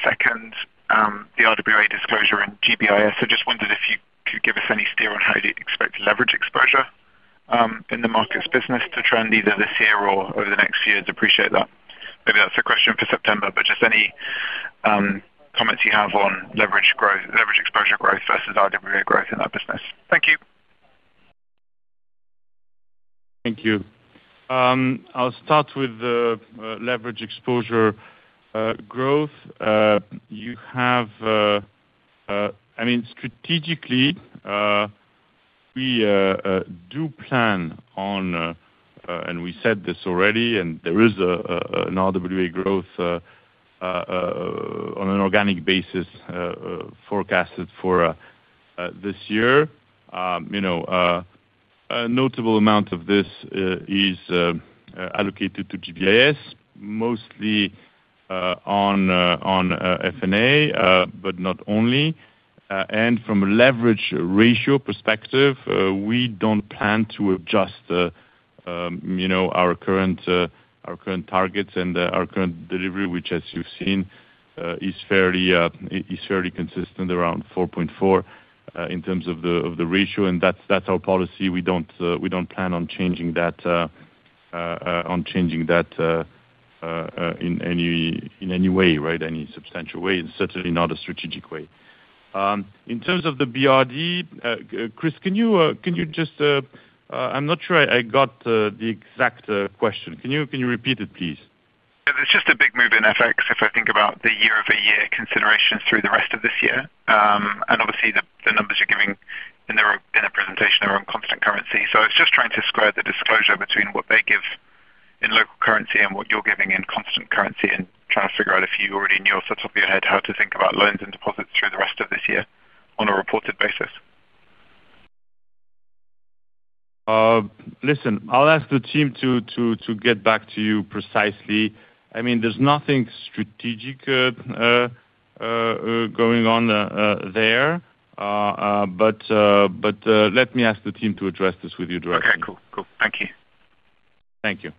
Second, the RWA disclosure in GBIS. I just wondered if you could give us any steer on how you expect leverage exposure in the markets business to trend either this year or over the next years. Appreciate that. Maybe that's a question for September, but just any comments you have on leverage exposure growth versus RWA growth in that business. Thank you. Thank you. I'll start with the leverage exposure growth. You have, I mean, strategically, we do plan on, and we said this already, and there is an RWA growth on an organic basis forecasted for this year. You know, a notable amount of this is allocated to GBIS, mostly on F&A, but not only. From a leverage ratio perspective, we don't plan to adjust, you know, our current, our current targets and our current delivery, which as you've seen, is fairly, is fairly consistent around 4.4 in terms of the ratio, and that's our policy. We don't plan on changing that, in any way, right. Any substantial way, and certainly not a strategic way. In terms of the BRD, Chris, can you just, I'm not sure I got the exact question. Can you repeat it, please? It's just a big move in FX, if I think about the year-over-year considerations through the rest of this year. Obviously the numbers you're giving in the presentation are on constant currency. I was just trying to square the disclosure between what they give in local currency and what you're giving in constant currency and trying to figure out if you already knew off the top of your head how to think about loans and deposits through the rest of this year on a reported basis. Listen, I'll ask the team to get back to you precisely. I mean, there's nothing strategic going on there. Let me ask the team to address this with you directly. Okay, cool. Cool. Thank you. Thank you.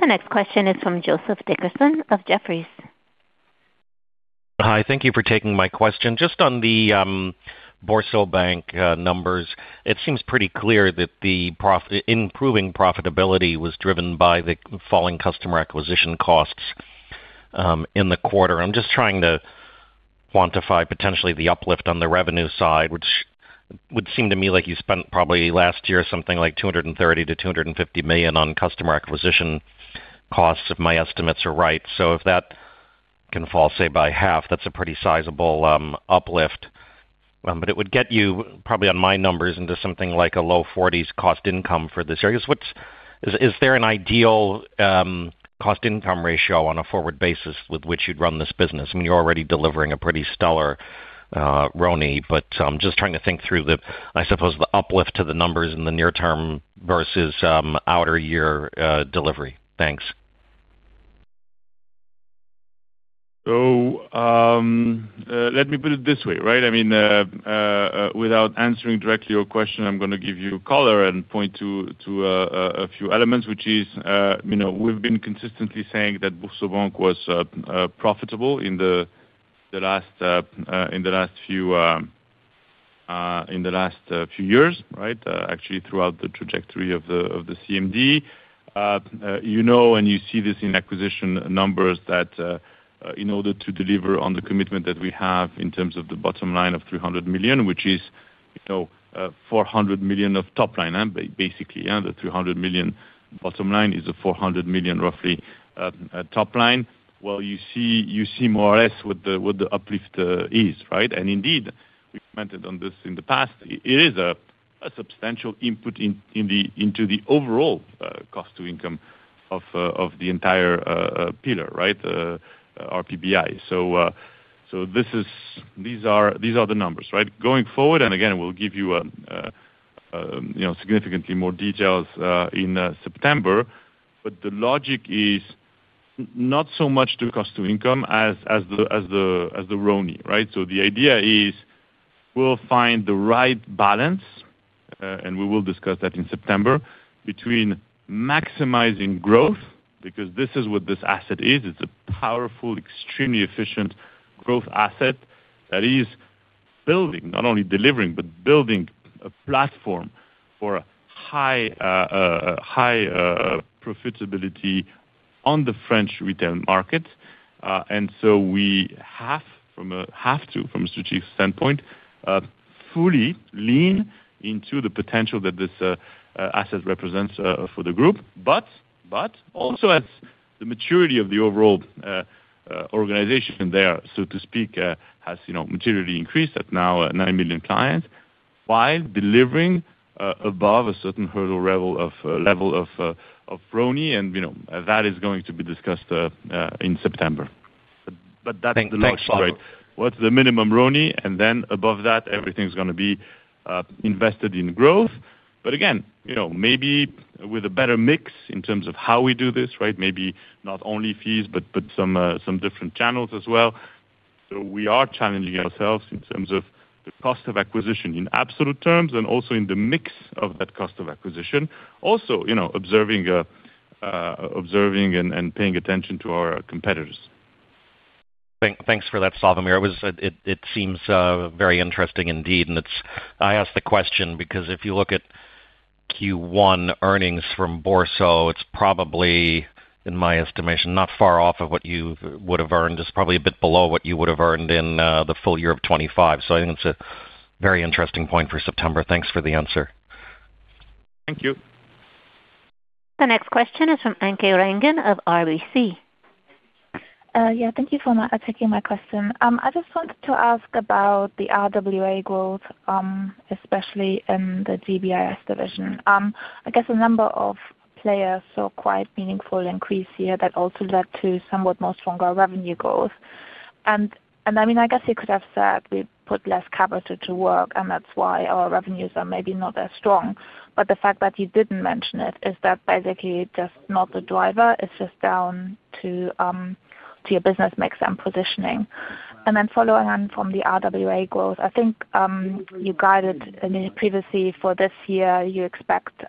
The next question is from Joseph Dickerson of Jefferies. Hi. Thank you for taking my question. Just on the BoursoBank numbers, it seems pretty clear that the improving profitability was driven by the falling customer acquisition costs in the quarter. I am just trying to quantify potentially the uplift on the revenue side, which would seem to me like you spent probably last year something like 230 million-250 million on customer acquisition costs, if my estimates are right. If that can fall, say, by half, that's a pretty sizable uplift. It would get you probably on my numbers into something like a low 40s cost income for this area. Is there an ideal cost income ratio on a forward basis with which you'd run this business? I mean, you're already delivering a pretty stellar RONE, but I'm just trying to think through the, I suppose, the uplift to the numbers in the near term versus outer year delivery. Thanks. Let me put it this way, right? I mean, without answering directly your question, I'm gonna give you color and point to a few elements, which is, you know, we've been consistently saying that BoursoBank was profitable in the last few years, right? Actually, throughout the trajectory of the CMD. You know, and you see this in acquisition numbers that in order to deliver on the commitment that we have in terms of the bottom line of 300 million, which is, you know, 400 million of top line, basically, yeah, the 300 million bottom line is a 400 million roughly top line. You see more or less what the, what the uplift is, right? Indeed, we've commented on this in the past, it is a substantial input into the overall cost to income of the entire pillar, right? The RPBI. These are the numbers, right? Going forward, again, we'll give you know, significantly more details in September. The logic is not so much the cost to income as the RONE, right? The idea is we'll find the right balance, and we will discuss that in September, between maximizing growth, because this is what this asset is. It's a powerful, extremely efficient growth asset that is building, not only delivering, but building a platform for high profitability on the French retail market. We have to, from a strategic standpoint, fully lean into the potential that this asset represents for the group. But also as the maturity of the overall organization there, so to speak, has, you know, materially increased at now 9 million clients, while delivering above a certain hurdle level of RONE, and, you know, that is going to be discussed in September. That's the logic, right? What's the minimum RONE? Above that, everything's going to be invested in growth. Again, you know, maybe with a better mix in terms of how we do this, right? Maybe not only fees, but some different channels as well. We are challenging ourselves in terms of the cost of acquisition in absolute terms and also in the mix of that cost of acquisition. Also, you know, observing and paying attention to our competitors. Thanks for that, Slawomir. It was, it seems very interesting indeed. I asked the question because if you look at Q1 earnings from Bourso, it's probably, in my estimation, not far off of what you would have earned. It's probably a bit below what you would have earned in the full year of 2025. I think it's a very interesting point for September. Thanks for the answer. Thank you. The next question is from Anke Reingen of RBC. Yeah, thank you for taking my question. I just wanted to ask about the RWA growth, especially in the GBIS division. I guess a number of players saw quite meaningful increase here that also led to somewhat more stronger revenue growth. I mean, I guess you could have said we put less capital to work, and that's why our revenues are maybe not as strong. The fact that you didn't mention it is that basically just not the driver, it's just down to your business mix and positioning. Following on from the RWA growth, I think, you guided, I mean previously for this year, you expect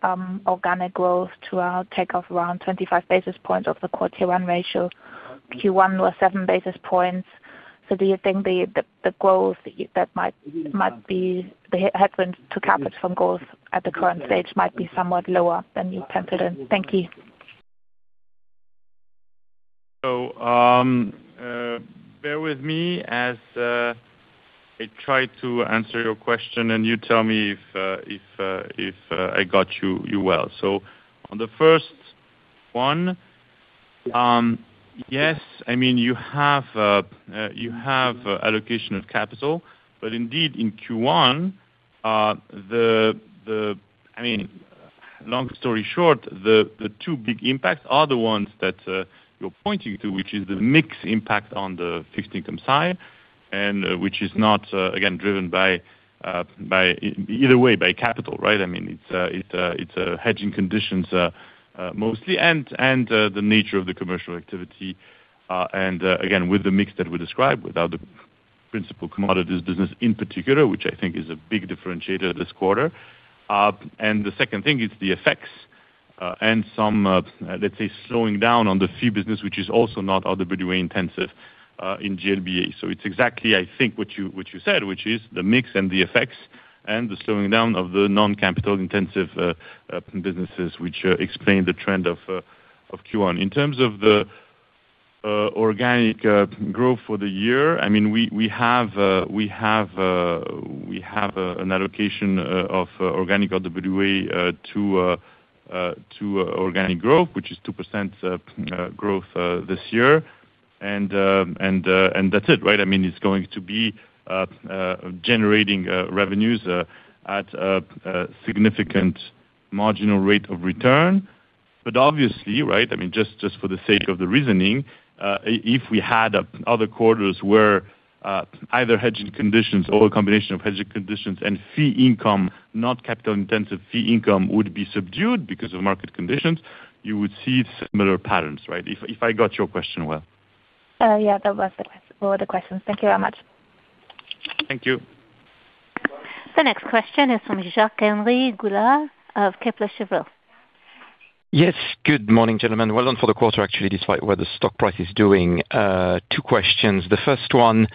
organic growth to take off around 25 basis points of the quarter one ratio. Q1 was 7 basis points. Do you think the growth that might be the headwind to capital from growth at the current stage might be somewhat lower than you anticipated? Thank you. Bear with me as I try to answer your question, and you tell me if I got you well. On the first one, yes, I mean, you have allocation of capital, but indeed, in Q1, I mean, long story short, the two big impacts are the ones that you're pointing to, which is the mix impact on the fixed income side, and which is not again driven by either way by capital, right? I mean, it's hedging conditions mostly, and the nature of the commercial activity, and again, with the mix that we described, without the principal commodities business in particular, which I think is a big differentiator this quarter. The second thing is the effects, and some, let's say, slowing down on the fee business, which is also not RWA-intensive, in GLBA. It's exactly, I think, what you, what you said, which is the mix and the effects. The slowing down of the non-capital intensive businesses which explain the trend of Q1. In terms of the organic growth for the year, I mean, we have an allocation of organic RWA to organic growth, which is 2% growth this year. That's it, right? I mean, it's going to be generating revenues at a significant marginal rate of return. Obviously, right? I mean, just for the sake of the reasoning, if we had other quarters where, either hedging conditions or a combination of hedging conditions and fee income, not capital intensive fee income would be subdued because of market conditions, you would see similar patterns, right? If I got your question well. Yeah, that was all the questions. Thank you very much. Thank you. The next question is from Jacques-Henri Gaulard of Kepler Cheuvreux. Yes. Good morning, gentlemen. Well done for the quarter actually, despite what the stock price is doing. Two questions. The first one,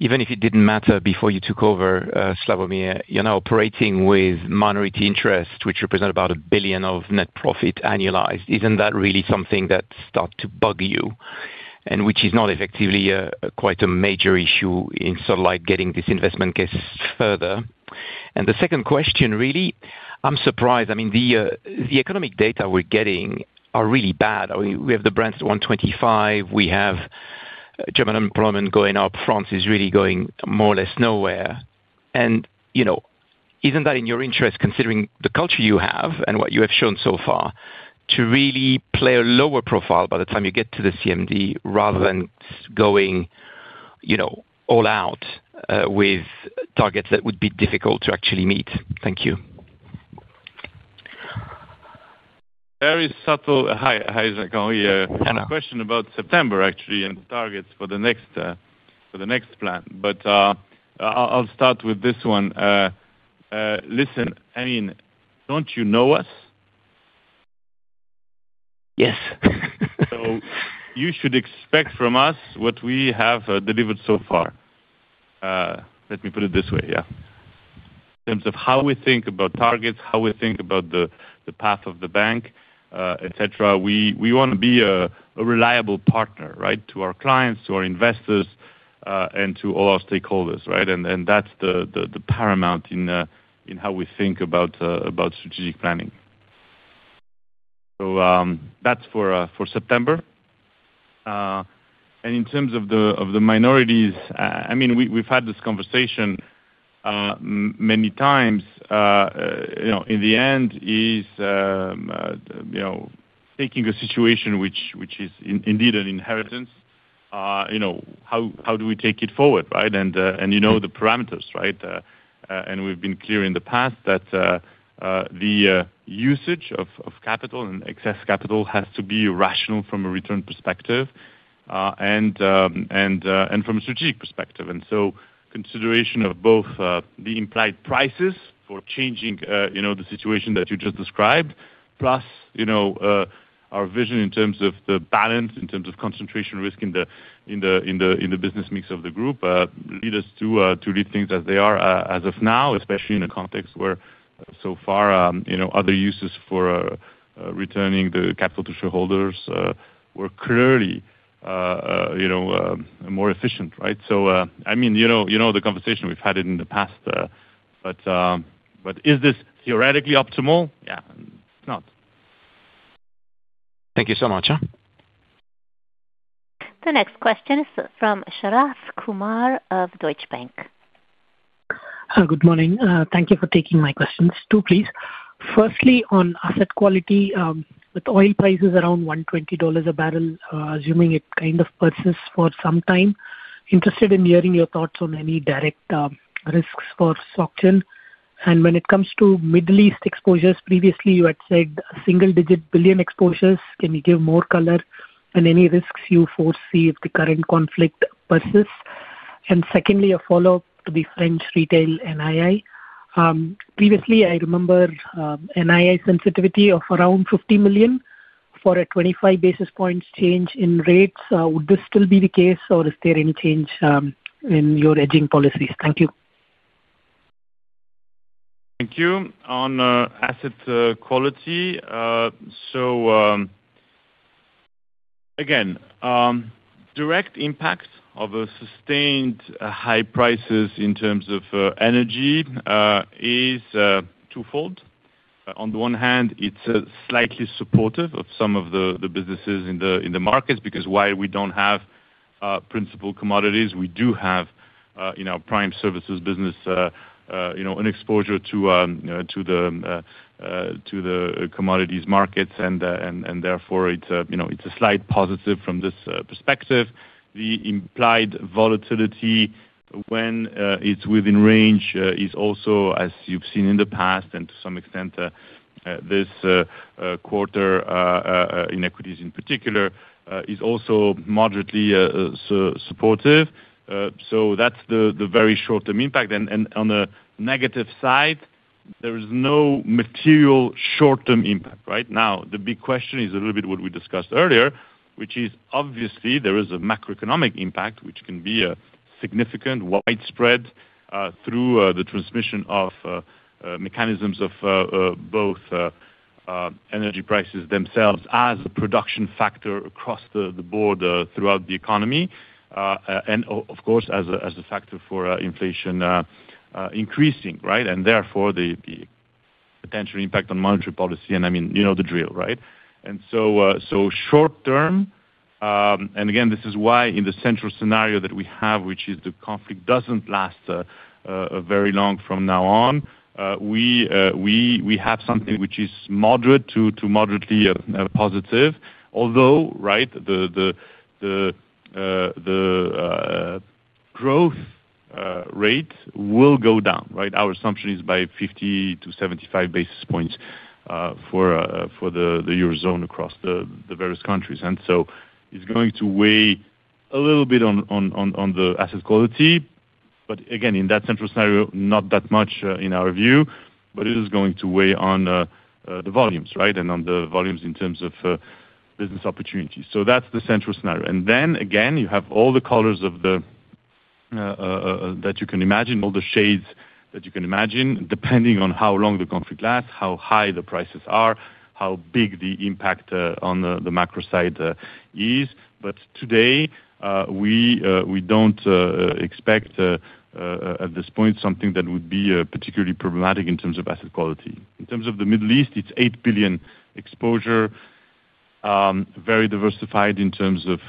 even if it didn't matter before you took over, Slawomir, you're now operating with minority interest, which represent about 1 billion of net profit annualized. Isn't that really something that start to bug you? Which is not effectively, quite a major issue in sort of like getting this investment case further. The second question really, I'm surprised, I mean, the economic data we're getting are really bad. I mean, we have the Brent's 125, we have German employment going up, France is really going more or less nowhere. You know, isn't that in your interest, considering the culture you have and what you have shown so far, to really play a lower profile by the time you get to the CMD rather than going, you know, all out with targets that would be difficult to actually meet? Thank you. Very subtle. Hi, hi Jacques Gaulard. Hello. A question about September, actually, and the targets for the next plan. I'll start with this one. Listen, I mean, don't you know us? Yes. You should expect from us what we have delivered so far. Let me put it this way, yeah. In terms of how we think about targets, how we think about the path of the bank, et cetera. We want to be a reliable partner, right? To our clients, to our investors, and to all our stakeholders, right? That's the paramount in how we think about strategic planning. That's for September. In terms of the minorities, I mean, we've had this conversation many times. You know, in the end, is, you know, taking a situation which is indeed an inheritance, you know, how do we take it forward, right? You know the parameters, right? We've been clear in the past that the usage of capital and excess capital has to be rational from a return perspective and from a strategic perspective. Consideration of both the implied prices for changing, you know, the situation that you just described, plus, you know, our vision in terms of the balance, in terms of concentration risk in the business mix of the group, lead us to leave things as they are as of now, especially in a context where so far, you know, other uses for returning the capital to shareholders were clearly, you know, more efficient, right? I mean, you know, you know the conversation we've had in the past, but is this theoretically optimal? Yeah, it's not. Thank you so much. The next question is from Sharath Kumar of Deutsche Bank. Good morning. Thank you for taking my questions. Two, please. Firstly, on asset quality, with oil prices around EUR 120 a barrel, assuming it kind of persists for some time, interested in hearing your thoughts on any direct risks for Société. When it comes to Middle East exposures, previously you had said single-digit billion EUR exposures. Can you give more color on any risks you foresee if the current conflict persists? Secondly, a follow-up to the French Retail NII. Previously, I remember, NII sensitivity of around 50 million for a 25 basis points change in rates. Would this still be the case or is there any change in your hedging policies? Thank you. Thank you. On asset quality. Again, direct impact of a sustained high prices in terms of energy is twofold. On the one hand, it's slightly supportive of some of the businesses in the markets, because while we don't have principal commodities, we do have, you know, prime services business, you know, an exposure to, you know, to the commodities markets, and therefore it's, you know, it's a slight positive from this perspective. The implied volatility when it's within range is also, as you've seen in the past and to some extent, this quarter, in equities in particular, is also moderately supportive. That's the very short-term impact. On the negative side, there is no material short-term impact, right? The big question is a little bit what we discussed earlier, which is obviously there is a macroeconomic impact, which can be a significant widespread through the transmission of mechanisms of both energy prices themselves as a production factor across the board throughout the economy. And of course, as a factor for inflation increasing, right? Therefore, the potential impact on monetary policy, and I mean, you know the drill, right? So short-term, and again, this is why in the central scenario that we have, which is the conflict doesn't last very long from now on, we have something which is moderate to moderately positive. Although, right, the growth rate will go down, right? Our assumption is by 50-75 basis points for the Eurozone across the various countries. It's going to weigh a little bit on the asset quality. Again, in that central scenario, not that much in our view, but it is going to weigh on the volumes, right, in terms of business opportunities. That's the central scenario. Again, you have all the colors that you can imagine, all the shades that you can imagine, depending on how long the conflict lasts, how high the prices are, how big the impact on the macro side is. Today, we don't expect at this point something that would be particularly problematic in terms of asset quality. In terms of the Middle East, it's 8 billion exposure, very diversified in terms of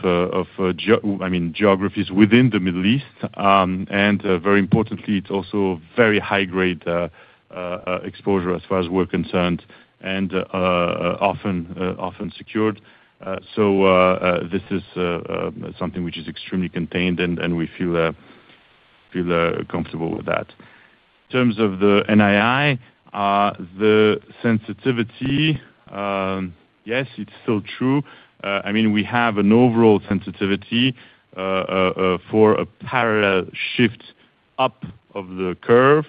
geographies within the Middle East. And very importantly, it's also very high grade exposure as far as we're concerned, and often secured. This is something which is extremely contained, and we feel comfortable with that. In terms of the NII, the sensitivity, yes, it's still true. We have an overall sensitivity for a parallel shift up of the curve,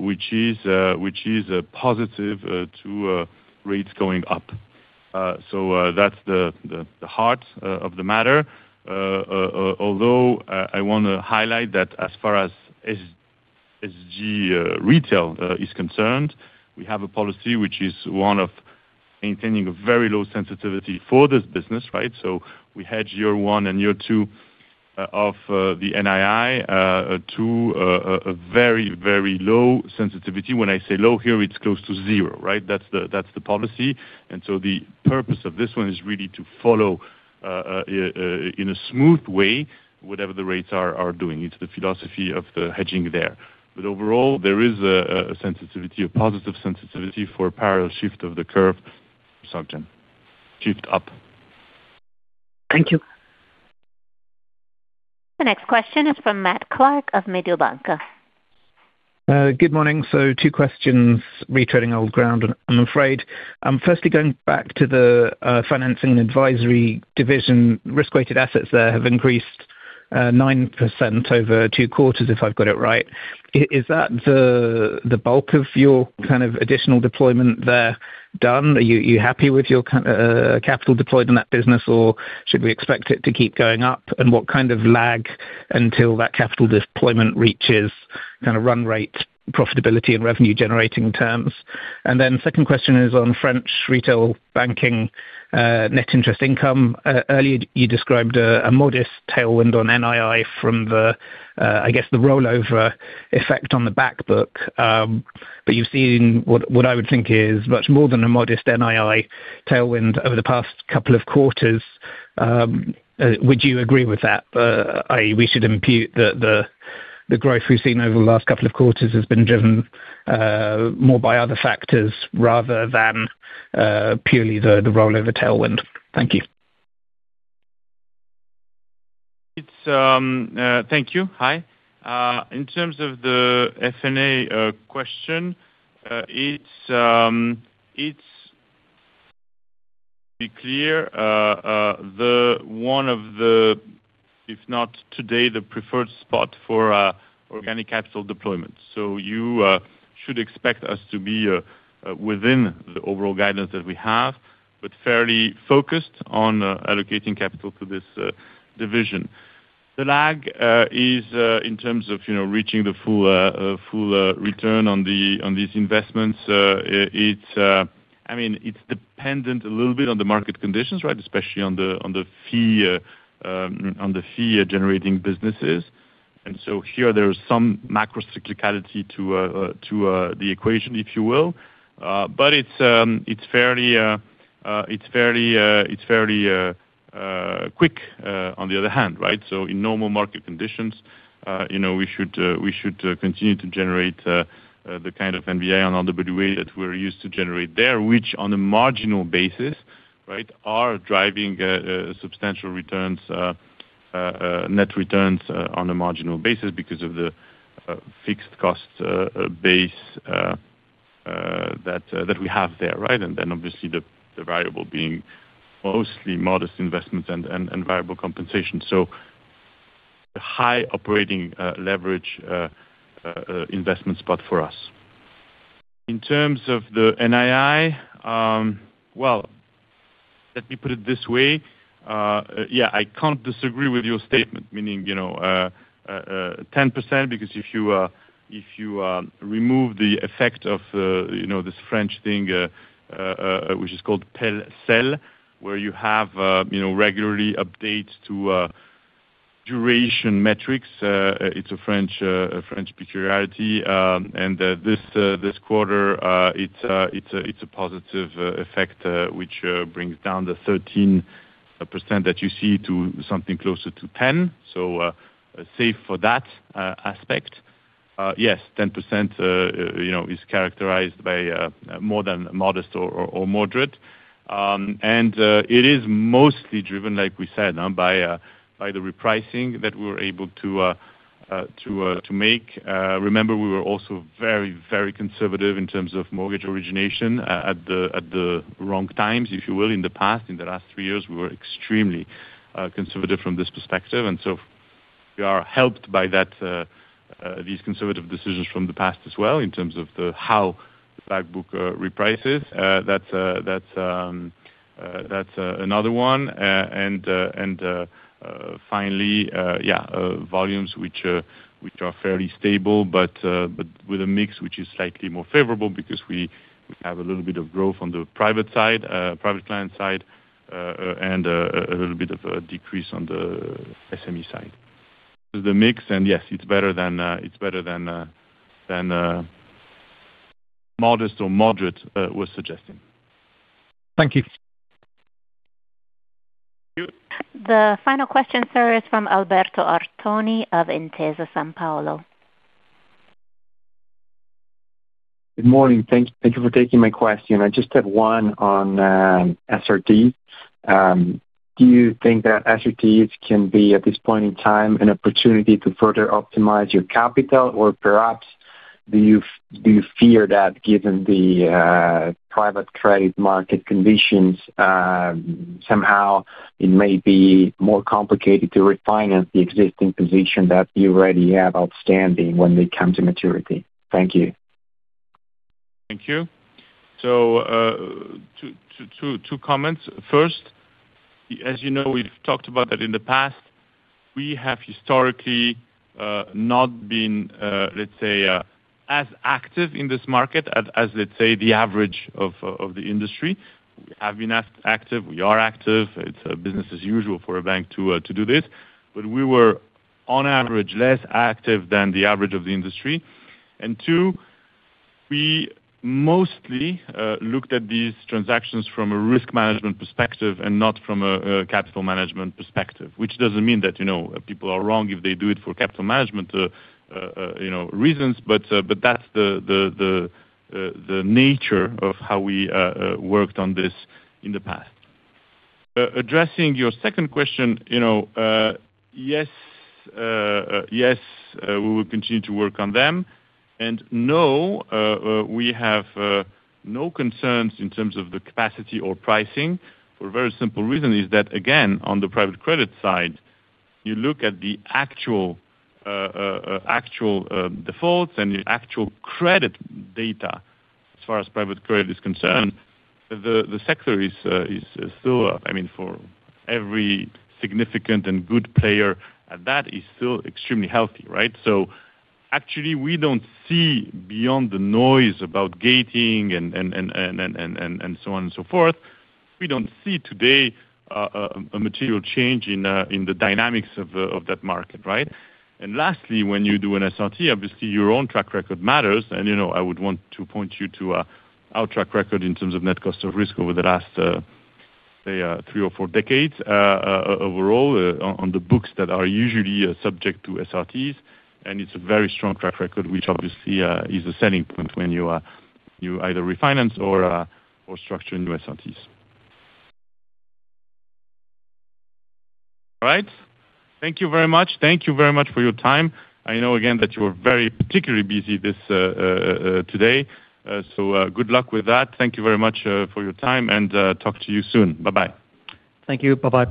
which is a positive to rates going up. That's the heart of the matter. I want to highlight that as far as G retail is concerned, we have a policy which is one of maintaining a very low sensitivity for this business. We hedge year one and year two of the NII to a very, very low sensitivity. When I say low here, it's close to zero. That's the policy. The purpose of this one is really to follow in a smooth way, whatever the rates are doing. It's the philosophy of the hedging there. Overall, there is a sensitivity, a positive sensitivity for parallel shift of the curve subject to shift up. Thank you. The next question is from Matt Clark of Mediobanca. Good morning. Two questions, retreading old ground, I am afraid. Firstly, going back to the financing and advisory division risk-weighted assets there have increased 9% over two quarters, if I have got it right. Is that the bulk of your additional deployment there done? Are you happy with your capital deployed in that business, or should we expect it to keep going up? What lag until that capital deployment reaches run rate profitability and revenue-generating terms? Second question is on French Retail Banking, Net Interest Income. Earlier you described a modest tailwind on NII from the, I guess the rollover effect on the back book. You have seen what I would think is much more than a modest NII tailwind over the past couple of quarters. Would you agree with that? We should impute the, the growth we've seen over the last couple of quarters has been driven more by other factors rather than purely the rollover tailwind. Thank you. It's. Thank you. Hi. In terms of the F&A question, it's be clear, the one of the, if not today, the preferred spot for organic capital deployment. You should expect us to be within the overall guidance that we have, but fairly focused on allocating capital to this division. The lag is in terms of, you know, reaching the full return on these investments. It's, I mean, it's dependent a little bit on the market conditions, right? Especially on the fee generating businesses. Here there is some macro cyclicality to the equation, if you will. But it's fairly quick on the other hand, right? In normal market conditions, you know, we should continue to generate the kind of NBI on RWA that we're used to generate there, which on a marginal basis, right, are driving substantial returns, net returns, on a marginal basis because of the fixed cost base that we have there, right? Obviously the variable being mostly modest investments and variable compensation. A high operating leverage investment spot for us. In terms of the NII, well, let me put it this way. Yeah, I can't disagree with your statement, meaning, you know, 10% because if you, if you remove the effect of, you know, this French thing, which is called PEL/CEL, where you have, you know, regularly updates to duration metrics. It's a French peculiarity. This quarter, it's a positive effect, which brings down the 13% that you see to something closer to 10%. Safe for that aspect. Yes, 10%, you know, is characterized by more than modest or moderate. It is mostly driven, like we said, by the repricing that we were able to make. Remember, we were also very, very conservative in terms of mortgage origination at the wrong times, if you will, in the past. In the last three years, we were extremely conservative from this perspective. We are helped by that, these conservative decisions from the past as well in terms of the how the back book reprices. That's another one. Finally, yeah, volumes which are fairly stable but with a mix which is slightly more favorable because we have a little bit of growth on the private side, private client side, and a little bit of a decrease on the SME side. The mix yes, it's better than modest or moderate was suggesting. Thank you. Thank you. The final question, sir, is from Alberto Artoni of Intesa Sanpaolo. Good morning. Thank you for taking my question. I just have one on SRT. Do you think that SRTs can be, at this point in time, an opportunity to further optimize your capital? Perhaps do you fear that given the private trade market conditions, somehow it may be more complicated to refinance the existing position that you already have outstanding when they come to maturity? Thank you. Thank you. Two comments. First, as you know, we've talked about that in the past. We have historically not been, let's say, as active in this market as, let's say, the average of the industry. We have been as active. We are active. It's a business as usual for a bank to do this. We were on average, less active than the average of the industry. Two we mostly looked at these transactions from a risk management perspective and not from a capital management perspective, which doesn't mean that, you know, people are wrong if they do it for capital management, you know, reasons. But that's the nature of how we worked on this in the past. Addressing your second question, you know, yes, we will continue to work on them. No, we have no concerns in terms of the capacity or pricing for a very simple reason is that again, on the private credit side, you look at the actual defaults and the actual credit data as far as private credit is concerned. The sector is still, I mean, for every significant and good player at that is still extremely healthy, right? Actually, we don't see beyond the noise about gating and so on and so forth. We don't see today a material change in the dynamics of that market, right? Lastly, when you do an SRT, obviously your own track record matters. You know, I would want to point you to our track record in terms of net cost of risk over the last, say, three or four decades, overall, on the books that are usually subject to SRTs. It's a very strong track record, which obviously, is a selling point when you either refinance or structure new SRTs. All right. Thank you very much. Thank you very much for your time. I know again that you are very particularly busy this today. Good luck with that. Thank you very much for your time, and talk to you soon. Bye-bye. Thank you. Bye-bye.